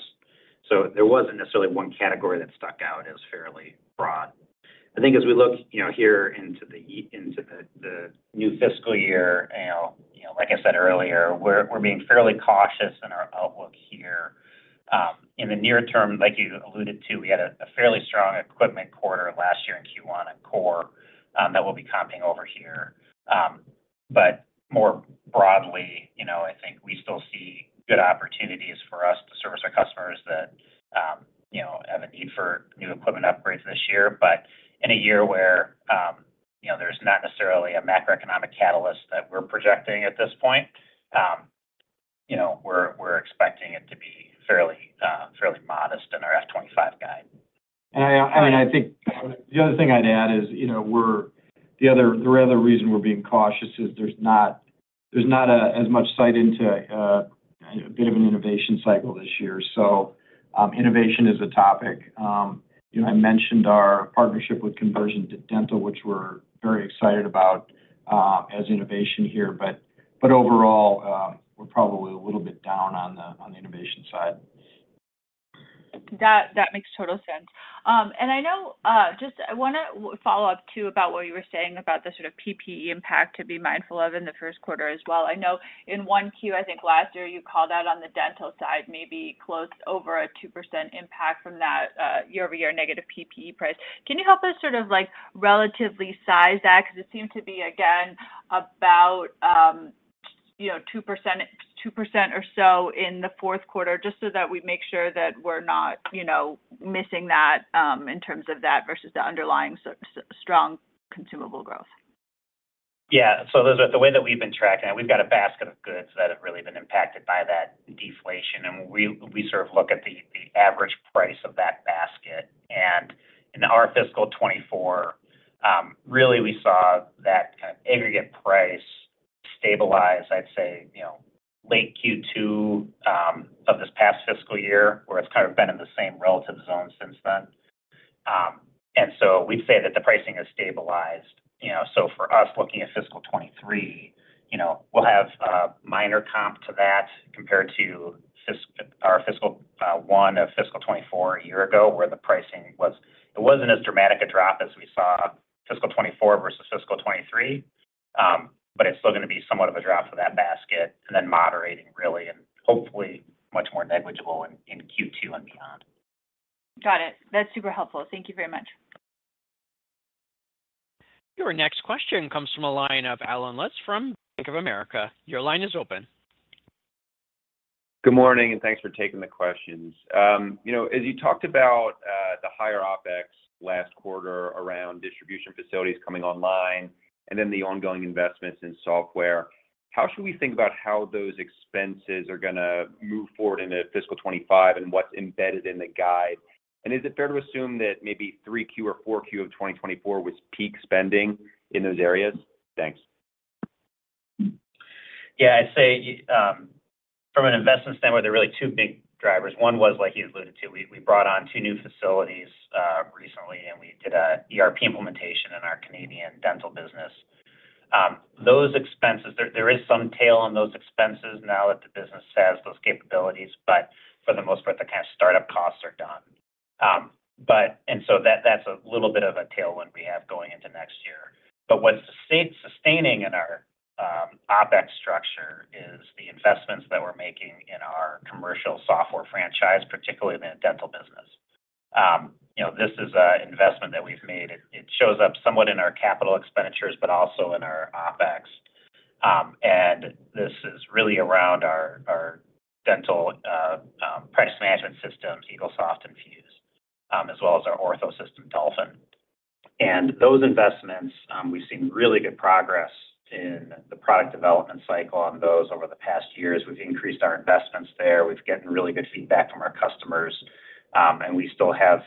So there wasn't necessarily one category that stuck out. It was fairly broad. I think as we look, you know, here into the new fiscal year, you know, like I said earlier, we're being fairly cautious in our outlook here. In the near term, like you alluded to, we had a fairly strong equipment quarter last year in Q1 and core that we'll be comping over here. But more broadly, you know, I think we still see good opportunities for us to service our customers that you know, have a need for new equipment upgrades this year. But in a year where, you know, there's not necessarily a macroeconomic catalyst that we're projecting at this point, you know, we're expecting it to be fairly, fairly modest in our FY25 guide. I mean, I think the other thing I'd add is, you know, the other reason we're being cautious is there's not as much insight into a bit of an innovation cycle this year. So, innovation is a topic. You know, I mentioned our partnership with Convergent Dental, which we're very excited about, as innovation here, but overall, we're probably a little bit down on the innovation side. That, that makes total sense. And I know, just I wanna follow up, too, about what you were saying about the sort of PPE impact to be mindful of in the first quarter as well. I know in 1Q, I think last year, you called out on the dental side, maybe close over a 2% impact from that, year-over-year negative PPE price. Can you help us sort of, like, relatively size that? Because it seemed to be, again, about, you know, 2%, 2% or so in the fourth quarter, just so that we make sure that we're not, you know, missing that, in terms of that versus the underlying strong consumable growth. Yeah. So those are the way that we've been tracking it. We've got a basket of goods that have really been impacted by that deflation, and we, we sort of look at the, the average price of that basket. And in our fiscal 2024, really, we saw that kind of aggregate price stabilize, I'd say, you know, late Q2 of this past fiscal year, where it's kind of been in the same relative zone since then. And so we'd say that the pricing has stabilized. You know, so for us, looking at fiscal 2023, you know, we'll have a minor comp to that compared to fiscal 2024 a year ago, where the pricing was... It wasn't as dramatic a drop as we saw in fiscal 2024 versus fiscal 2023, but it's still gonna be somewhat of a drop for that basket, and then moderating, really, and hopefully much more negligible in Q2 and beyond. Got it. That's super helpful. Thank you very much. Your next question comes from the line of Allen Lutz from Bank of America. Your line is open. Good morning, and thanks for taking the questions. You know, as you talked about, the higher OpEx last quarter around distribution facilities coming online and then the ongoing investments in software, how should we think about how those expenses are gonna move forward into fiscal 2025 and what's embedded in the guide? And is it fair to assume that maybe 3Q or 4Q of 2024 was peak spending in those areas? Thanks. Yeah, I'd say, from an investment standpoint, there are really two big drivers. One was, like you alluded to, we brought on two new facilities, recently, and we did an ERP implementation in our Canadian dental business. Those expenses, there is some tail on those expenses now that the business has those capabilities, but for the most part, the kind of start-up costs are done. But and so that, that's a little bit of a tailwind we have going into next year. But what's sustaining in our OpEx structure is the investments that we're making in our commercial software franchise, particularly in the dental business. You know, this is an investment that we've made. It shows up somewhat in our capital expenditures, but also in our OpEx. And this is really around our dental practice management systems, Eaglesoft and Fuse, as well as our ortho system, Dolphin. And those investments, we've seen really good progress in the product development cycle on those over the past years. We've increased our investments there. We've gotten really good feedback from our customers, and we still have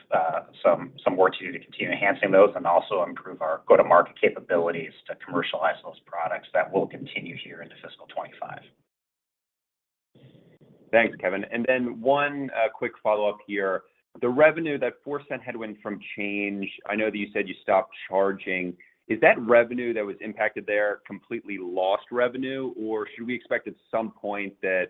some work to do to continue enhancing those and also improve our go-to-market capabilities to commercialize those products. That will continue here into fiscal 25. Thanks, Kevin. One quick follow-up here. The revenue, that $0.04 headwind from Change, I know that you said you stopped charging. Is that revenue that was impacted there completely lost revenue, or should we expect at some point that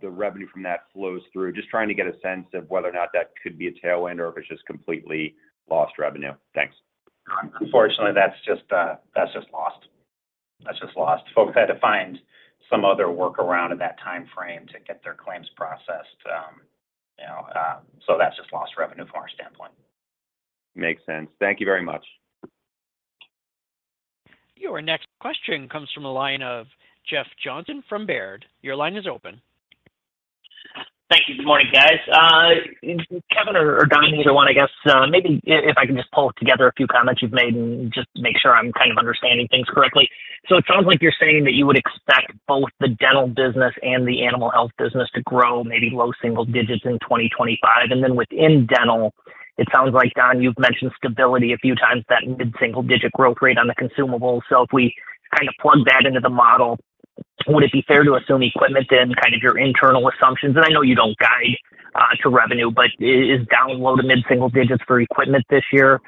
the revenue from that flows through? Just trying to get a sense of whether or not that could be a tailwind or if it's just completely lost revenue. Thanks. Unfortunately, that's just, that's just lost. That's just lost. Folks had to find some other workaround in that timeframe to get their claims processed. You know, so that's just lost revenue from our standpoint. Makes sense. Thank you very much. Your next question comes from the line of Jeff Johnson from Baird. Your line is open. Thank you. Good morning, guys. Kevin or Don, either one, I guess, maybe if I can just pull together a few comments you've made and just make sure I'm kind of understanding things correctly. So it sounds like you're saying that you would expect both the dental business and the animal health business to grow maybe low single digits in 2025. And then within dental, it sounds like, Don, you've mentioned stability a few times, that mid-single-digit growth rate on the consumables. So if we kind of plug that into the model, would it be fair to assume equipment, then, kind of your internal assumptions? And I know you don't guide to revenue, but is down low to mid-single digits for equipment this year.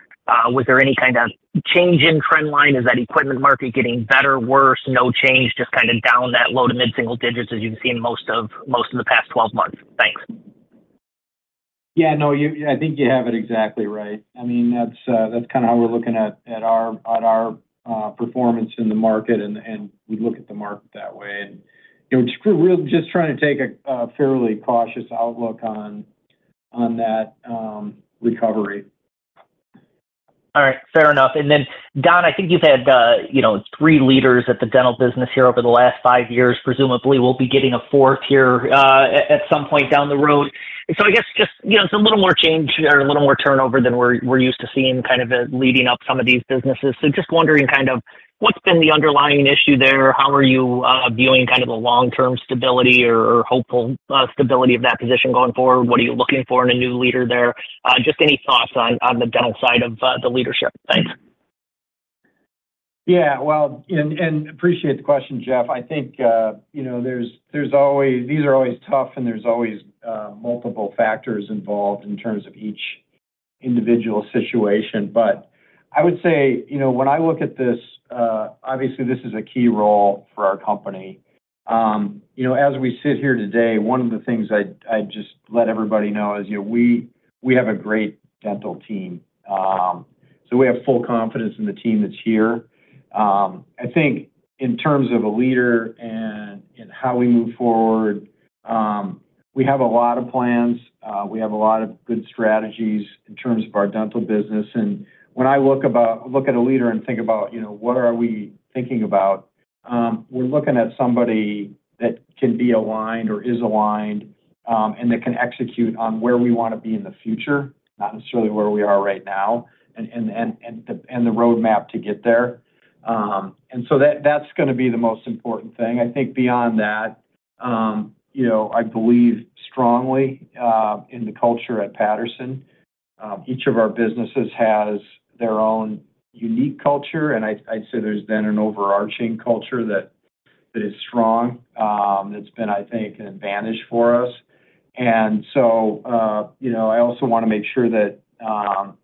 Was there any kind of change in trend line? Is that equipment market getting better, worse, no change, just kind of down that low to mid-single digits as you've seen most of the past 12 months? Thanks. Yeah. No, I think you have it exactly right. I mean, that's kind of how we're looking at our performance in the market, and we look at the market that way. And, you know, we're just trying to take a fairly cautious outlook on that recovery. ... All right, fair enough. And then, Don, I think you've had, you know, 3 leaders at the dental business here over the last 5 years. Presumably, we'll be getting a 4th here at some point down the road. So I guess just, you know, it's a little more change or a little more turnover than we're used to seeing kind of as leading up some of these businesses. So just wondering, kind of, what's been the underlying issue there? How are you viewing kind of the long-term stability or hopeful stability of that position going forward? What are you looking for in a new leader there? Just any thoughts on the dental side of the leadership. Thanks. Yeah. Well, I appreciate the question, Jeff. I think, you know, there's always—these are always tough, and there's always multiple factors involved in terms of each individual situation. But I would say, you know, when I look at this, obviously, this is a key role for our company. You know, as we sit here today, one of the things I'd just let everybody know is, you know, we have a great dental team. So we have full confidence in the team that's here. I think in terms of a leader and how we move forward, we have a lot of plans. We have a lot of good strategies in terms of our dental business. And when I look at a leader and think about, you know, what are we thinking about, we're looking at somebody that can be aligned or is aligned, and that can execute on where we wanna be in the future, not necessarily where we are right now, and the roadmap to get there. And so that's gonna be the most important thing. I think beyond that, you know, I believe strongly in the culture at Patterson. Each of our businesses has their own unique culture, and I'd say there's been an overarching culture that is strong. That's been, I think, an advantage for us. And so, you know, I also wanna make sure that,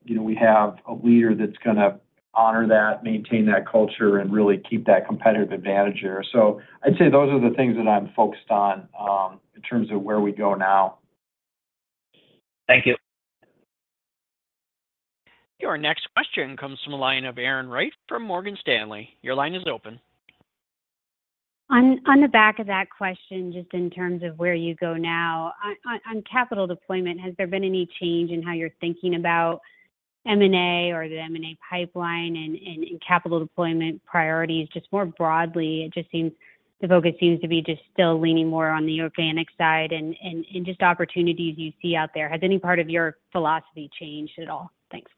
you know, we have a leader that's gonna honor that, maintain that culture, and really keep that competitive advantage there. So I'd say those are the things that I'm focused on, in terms of where we go now. Thank you. Your next question comes from the line of Erin Wright from Morgan Stanley. Your line is open. On the back of that question, just in terms of where you go now, on capital deployment, has there been any change in how you're thinking about M&A or the M&A pipeline and capital deployment priorities just more broadly? It just seems... the focus seems to be just still leaning more on the organic side and just opportunities you see out there. Has any part of your philosophy changed at all? Thanks.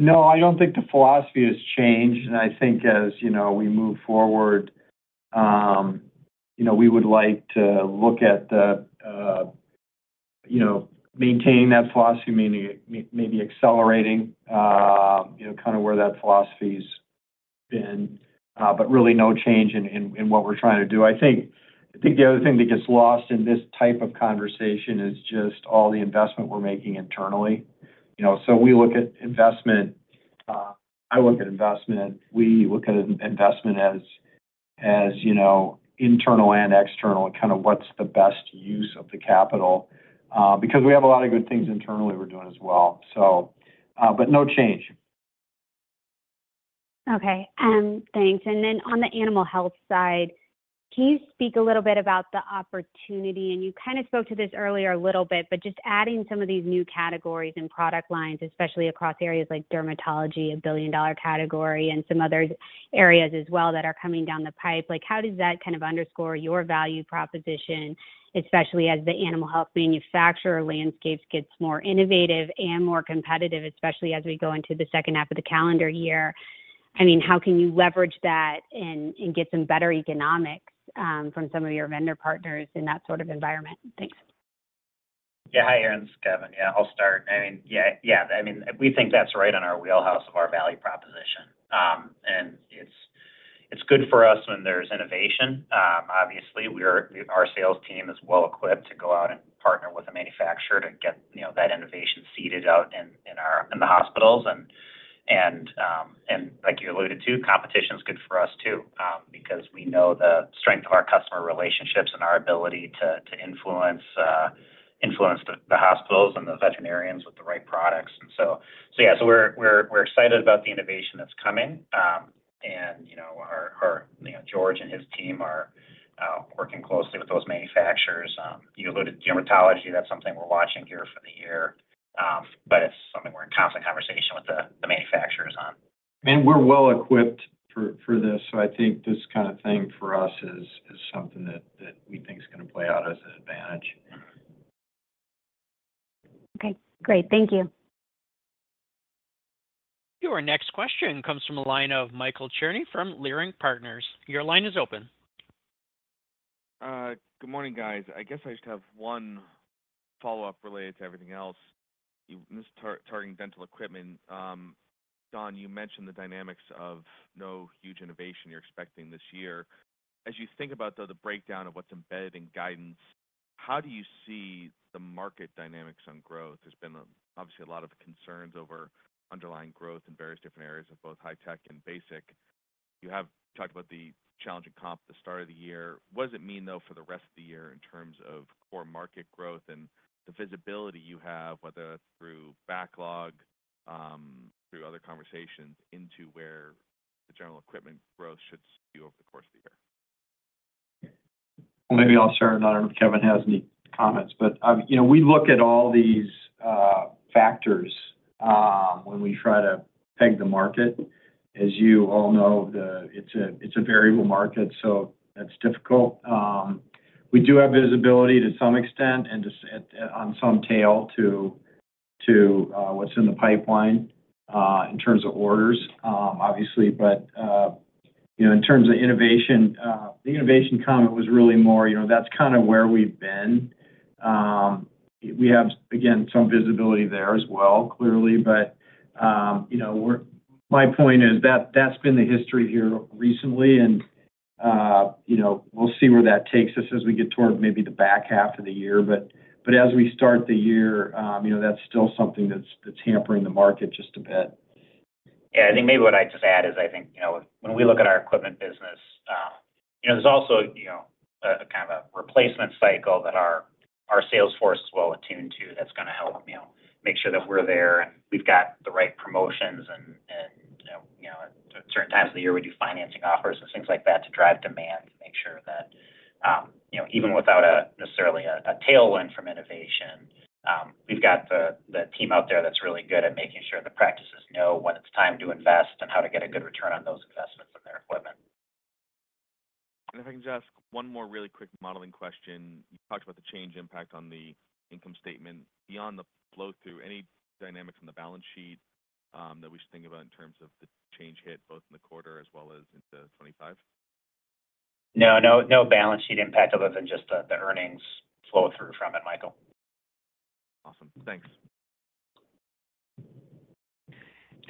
No, I don't think the philosophy has changed, and I think as, you know, we move forward, you know, we would like to look at the, you know, maintaining that philosophy, maybe maybe accelerating, you know, kind of where that philosophy's been. But really no change in what we're trying to do. I think the other thing that gets lost in this type of conversation is just all the investment we're making internally. You know, so we look at investment. I look at investment, we look at investment as, you know, internal and external and kind of what's the best use of the capital, because we have a lot of good things internally we're doing as well, so, but no change. Okay, thanks. And then on the animal health side, can you speak a little bit about the opportunity? And you kind of spoke to this earlier a little bit, but just adding some of these new categories and product lines, especially across areas like dermatology, a billion-dollar category, and some other areas as well that are coming down the pipe. Like, how does that kind of underscore your value proposition, especially as the animal health manufacturer landscape gets more innovative and more competitive, especially as we go into the second half of the calendar year? I mean, how can you leverage that and, and get some better economics from some of your vendor partners in that sort of environment? Thanks. Yeah. Hi, Erin. It's Kevin. Yeah, I'll start. I mean, yeah, we think that's right on our wheelhouse of our value proposition. And it's good for us when there's innovation. Obviously, our sales team is well equipped to go out and partner with a manufacturer to get, you know, that innovation seeded out in our hospitals. And like you alluded to, competition is good for us, too, because we know the strength of our customer relationships and our ability to influence the hospitals and the veterinarians with the right products. And so yeah, so we're excited about the innovation that's coming. And, you know, our... You know, George and his team are working closely with those manufacturers. You alluded to dermatology, that's something we're watching here for the year. But it's something we're in constant conversation with the manufacturers on. We're well equipped for this. So I think this kind of thing for us is something that we think is gonna play out as an advantage. Okay, great. Thank you. Your next question comes from the line of Michael Cherny from Leerink Partners. Your line is open. Good morning, guys. I guess I just have one follow-up related to everything else. Just targeting dental equipment. Don, you mentioned the dynamics of no huge innovation you're expecting this year. As you think about, though, the breakdown of what's embedded in guidance, how do you see the market dynamics on growth? There's been, obviously, a lot of concerns over underlying growth in various different areas of both high tech and basic. You have talked about the challenging comp at the start of the year. What does it mean, though, for the rest of the year in terms of core market growth and the visibility you have, whether through backlog, through other conversations, into where the general equipment growth should see over the course of the year?... Well, maybe I'll start, and I don't know if Kevin has any comments, but, you know, we look at all these factors when we try to peg the market. As you all know, it's a variable market, so that's difficult. We do have visibility to some extent, and on some detail to what's in the pipeline in terms of orders, obviously. But, you know, in terms of innovation, the innovation comment was really more, you know, that's kind of where we've been. We have, again, some visibility there as well, clearly. But, you know, my point is that that's been the history here recently, and, you know, we'll see where that takes us as we get toward maybe the back half of the year. But as we start the year, you know, that's still something that's hampering the market just a bit. Yeah. I think maybe what I'd just add is, I think, you know, when we look at our equipment business, you know, there's also, you know, a kind of a replacement cycle that our sales force is well attuned to, that's gonna help them, you know, make sure that we're there, and we've got the right promotions. And, you know, at certain times of the year, we do financing offers and things like that to drive demand to make sure that, you know, even without necessarily a tailwind from innovation, we've got the team out there that's really good at making sure the practices know when it's time to invest and how to get a good return on those investments in their equipment. If I can just ask one more really quick modeling question. You talked about the change impact on the income statement. Beyond the flow-through, any dynamics on the balance sheet that we should think about in terms of the change hit, both in the quarter as well as into 25? No, no, no balance sheet impact other than just the earnings flow-through from it, Michael. Awesome. Thanks.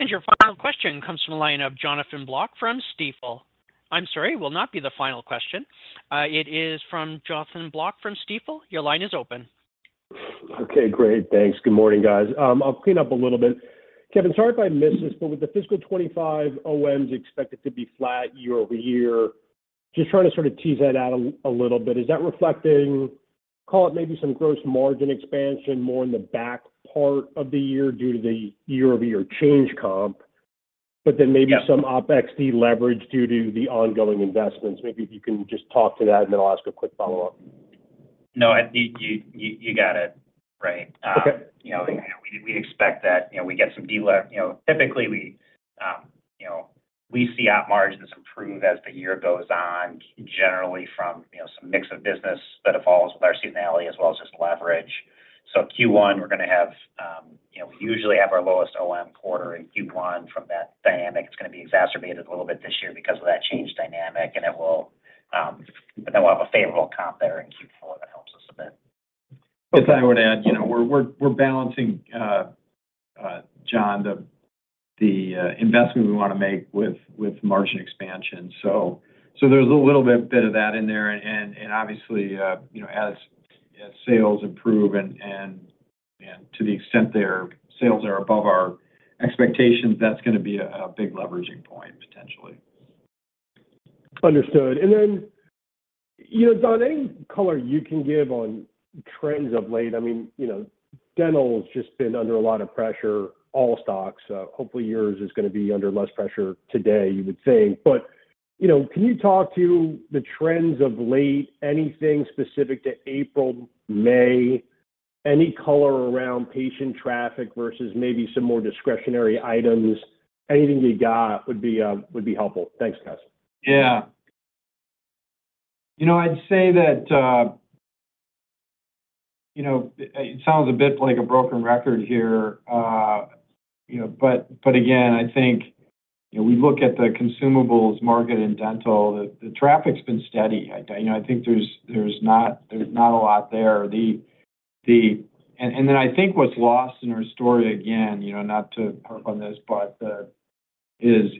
Your final question comes from the line of Jonathan Block from Stifel. I'm sorry, will not be the final question. It is from Jonathan Block from Stifel. Your line is open. Okay, great. Thanks. Good morning, guys. I'll clean up a little bit. Kevin, sorry if I missed this, but with the fiscal 2025 OMs expected to be flat year-over-year, just trying to sort of tease that out a little bit. Is that reflecting, call it maybe some gross margin expansion more in the back part of the year due to the year-over-year change comp- Yeah. but then maybe some OpEx deleverage due to the ongoing investments? Maybe if you can just talk to that, and then I'll ask a quick follow-up. No, I think you got it, right. Okay. You know, we expect that, you know, we get some deleverage, you know, typically we, you know, we see op margins improve as the year goes on, generally from, you know, some mix of business that evolves with our seasonality as well as just leverage. So Q1, we're gonna have, you know, we usually have our lowest OM quarter in Q1 from that dynamic. It's gonna be exacerbated a little bit this year because of that change dynamic, and it will, but then we'll have a favorable comp there in Q4 that helps us a bit. If I were to add, you know, we're balancing, John, the investment we want to make with margin expansion. There's a little bit of that in there, and obviously, you know, as sales improve and to the extent their sales are above our expectations, that's gonna be a big leveraging point, potentially. Understood. And then, you know, Don, any color you can give on trends of late? I mean, you know, dental has just been under a lot of pressure, all stocks. Hopefully, yours is gonna be under less pressure today, you would say. But, you know, can you talk to the trends of late, anything specific to April, May? Any color around patient traffic versus maybe some more discretionary items? Anything you got would be, would be helpful. Thanks, guys. Yeah. You know, I'd say that, you know, it sounds a bit like a broken record here, you know, but, but again, I think, you know, we look at the consumables market in dental, the traffic's been steady. I, you know, I think there's not a lot there. And then I think what's lost in our story, again, you know, not to harp on this, but, is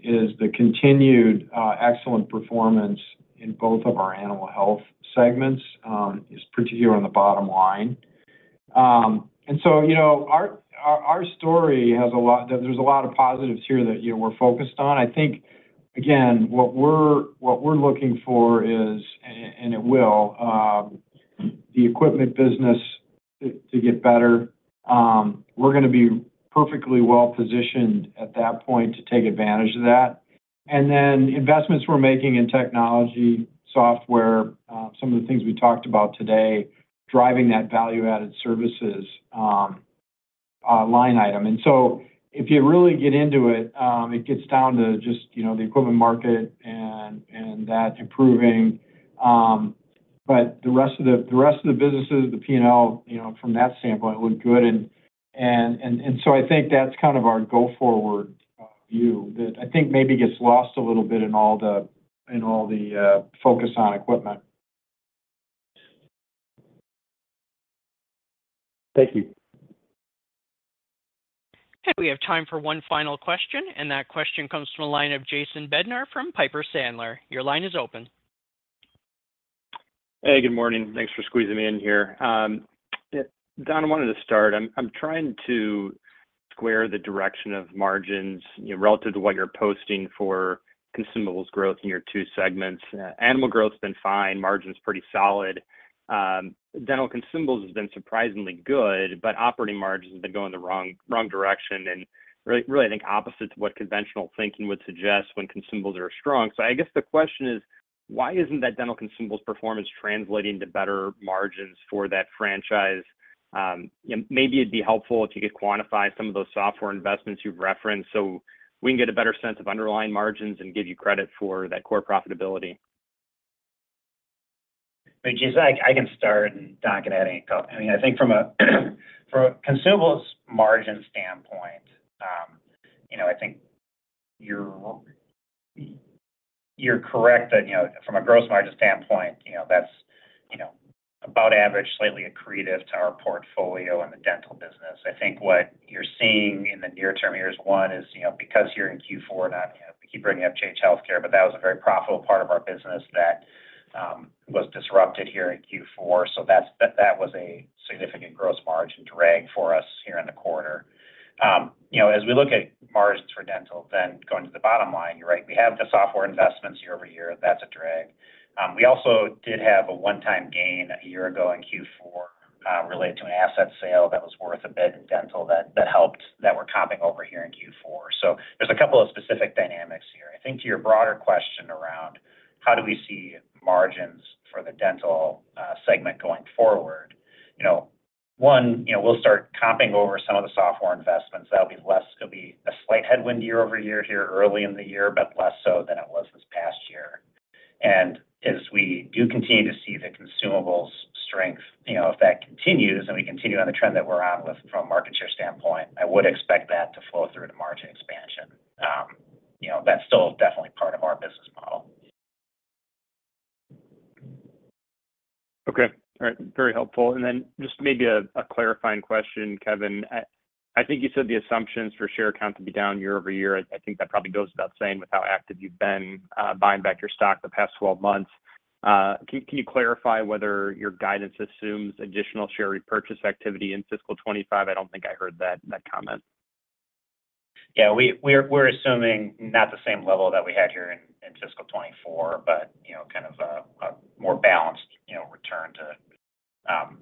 the continued excellent performance in both of our animal health segments, is particularly on the bottom line. And so, you know, our story has a lot—there's a lot of positives here that, you know, we're focused on. I think, again, what we're looking for is, and it will, the equipment business to get better. We're gonna be perfectly well positioned at that point to take advantage of that. And then, investments we're making in technology, software, some of the things we talked about today, driving that value-added services line item. And so if you really get into it, it gets down to just, you know, the equipment market and that improving. But the rest of the businesses, the P&L, you know, from that standpoint, look good. And so I think that's kind of our go-forward view, that I think maybe gets lost a little bit in all the focus on equipment. Thank you. Okay, we have time for one final question, and that question comes from the line of Jason Bednar from Piper Sandler. Your line is open. Hey, good morning. Thanks for squeezing me in here. Don, I wanted to start. I'm trying to square the direction of margins, you know, relative to what you're posting for consumables growth in your two segments. Animal growth's been fine, margin's pretty solid. Dental consumables has been surprisingly good, but operating margins have been going the wrong direction, and really, I think, opposite to what conventional thinking would suggest when consumables are strong. So I guess the question is. Why isn't that dental consumables performance translating to better margins for that franchise? You know, maybe it'd be helpful if you could quantify some of those software investments you've referenced, so we can get a better sense of underlying margins and give you credit for that core profitability. Which is, I can start, and Don can add anything. I mean, I think from a consumables margin standpoint, you know, I think you're correct that, you know, from a gross margin standpoint, you know, that's, you know, about average, slightly accretive to our portfolio in the dental business. I think what you're seeing in the near-term year one is, you know, because you're in Q4, we keep bringing up Change Healthcare, but that was a very profitable part of our business that was disrupted here in Q4. So that's, that was a significant gross margin drag for us here in the quarter. You know, as we look at margins for dental, then going to the bottom line, you're right, we have the software investments year over year, that's a drag. We also did have a one-time gain a year ago in Q4, related to an asset sale that was worth a bit in dental that helped that we're comping over here in Q4. So there's a couple of specific dynamics here. I think to your broader question around how do we see margins for the dental segment going forward? You know, one, you know, we'll start comping over some of the software investments. That'll be less, it'll be a slight headwind year-over-year here early in the year, but less so than it was this past year. And as we do continue to see the consumables strength, you know, if that continues, and we continue on the trend that we're on with from a market share standpoint, I would expect that to flow through to margin expansion. You know, that's still definitely part of our business model. Okay. All right, very helpful. And then just maybe a clarifying question, Kevin. I think you said the assumptions for share count to be down year-over-year. I think that probably goes without saying, with how active you've been, buying back your stock the past 12 months. Can you clarify whether your guidance assumes additional share repurchase activity in fiscal 2025? I don't think I heard that comment. Yeah, we're assuming not the same level that we had here in fiscal 2024, but you know, kind of a more balanced, you know, return to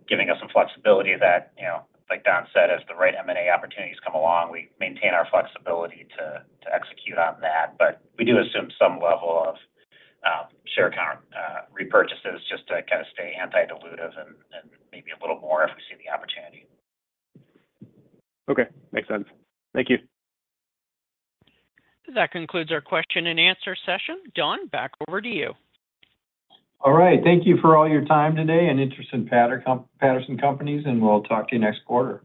giving us some flexibility that, you know, like Don said, as the right M&A opportunities come along, we maintain our flexibility to execute on that. But we do assume some level of share count repurchases, just to kind of stay anti-dilutive and maybe a little more if we see the opportunity. Okay, makes sense. Thank you. That concludes our question and answer session. Don, back over to you. All right. Thank you for all your time today and interest in Patterson Companies, and we'll talk to you next quarter.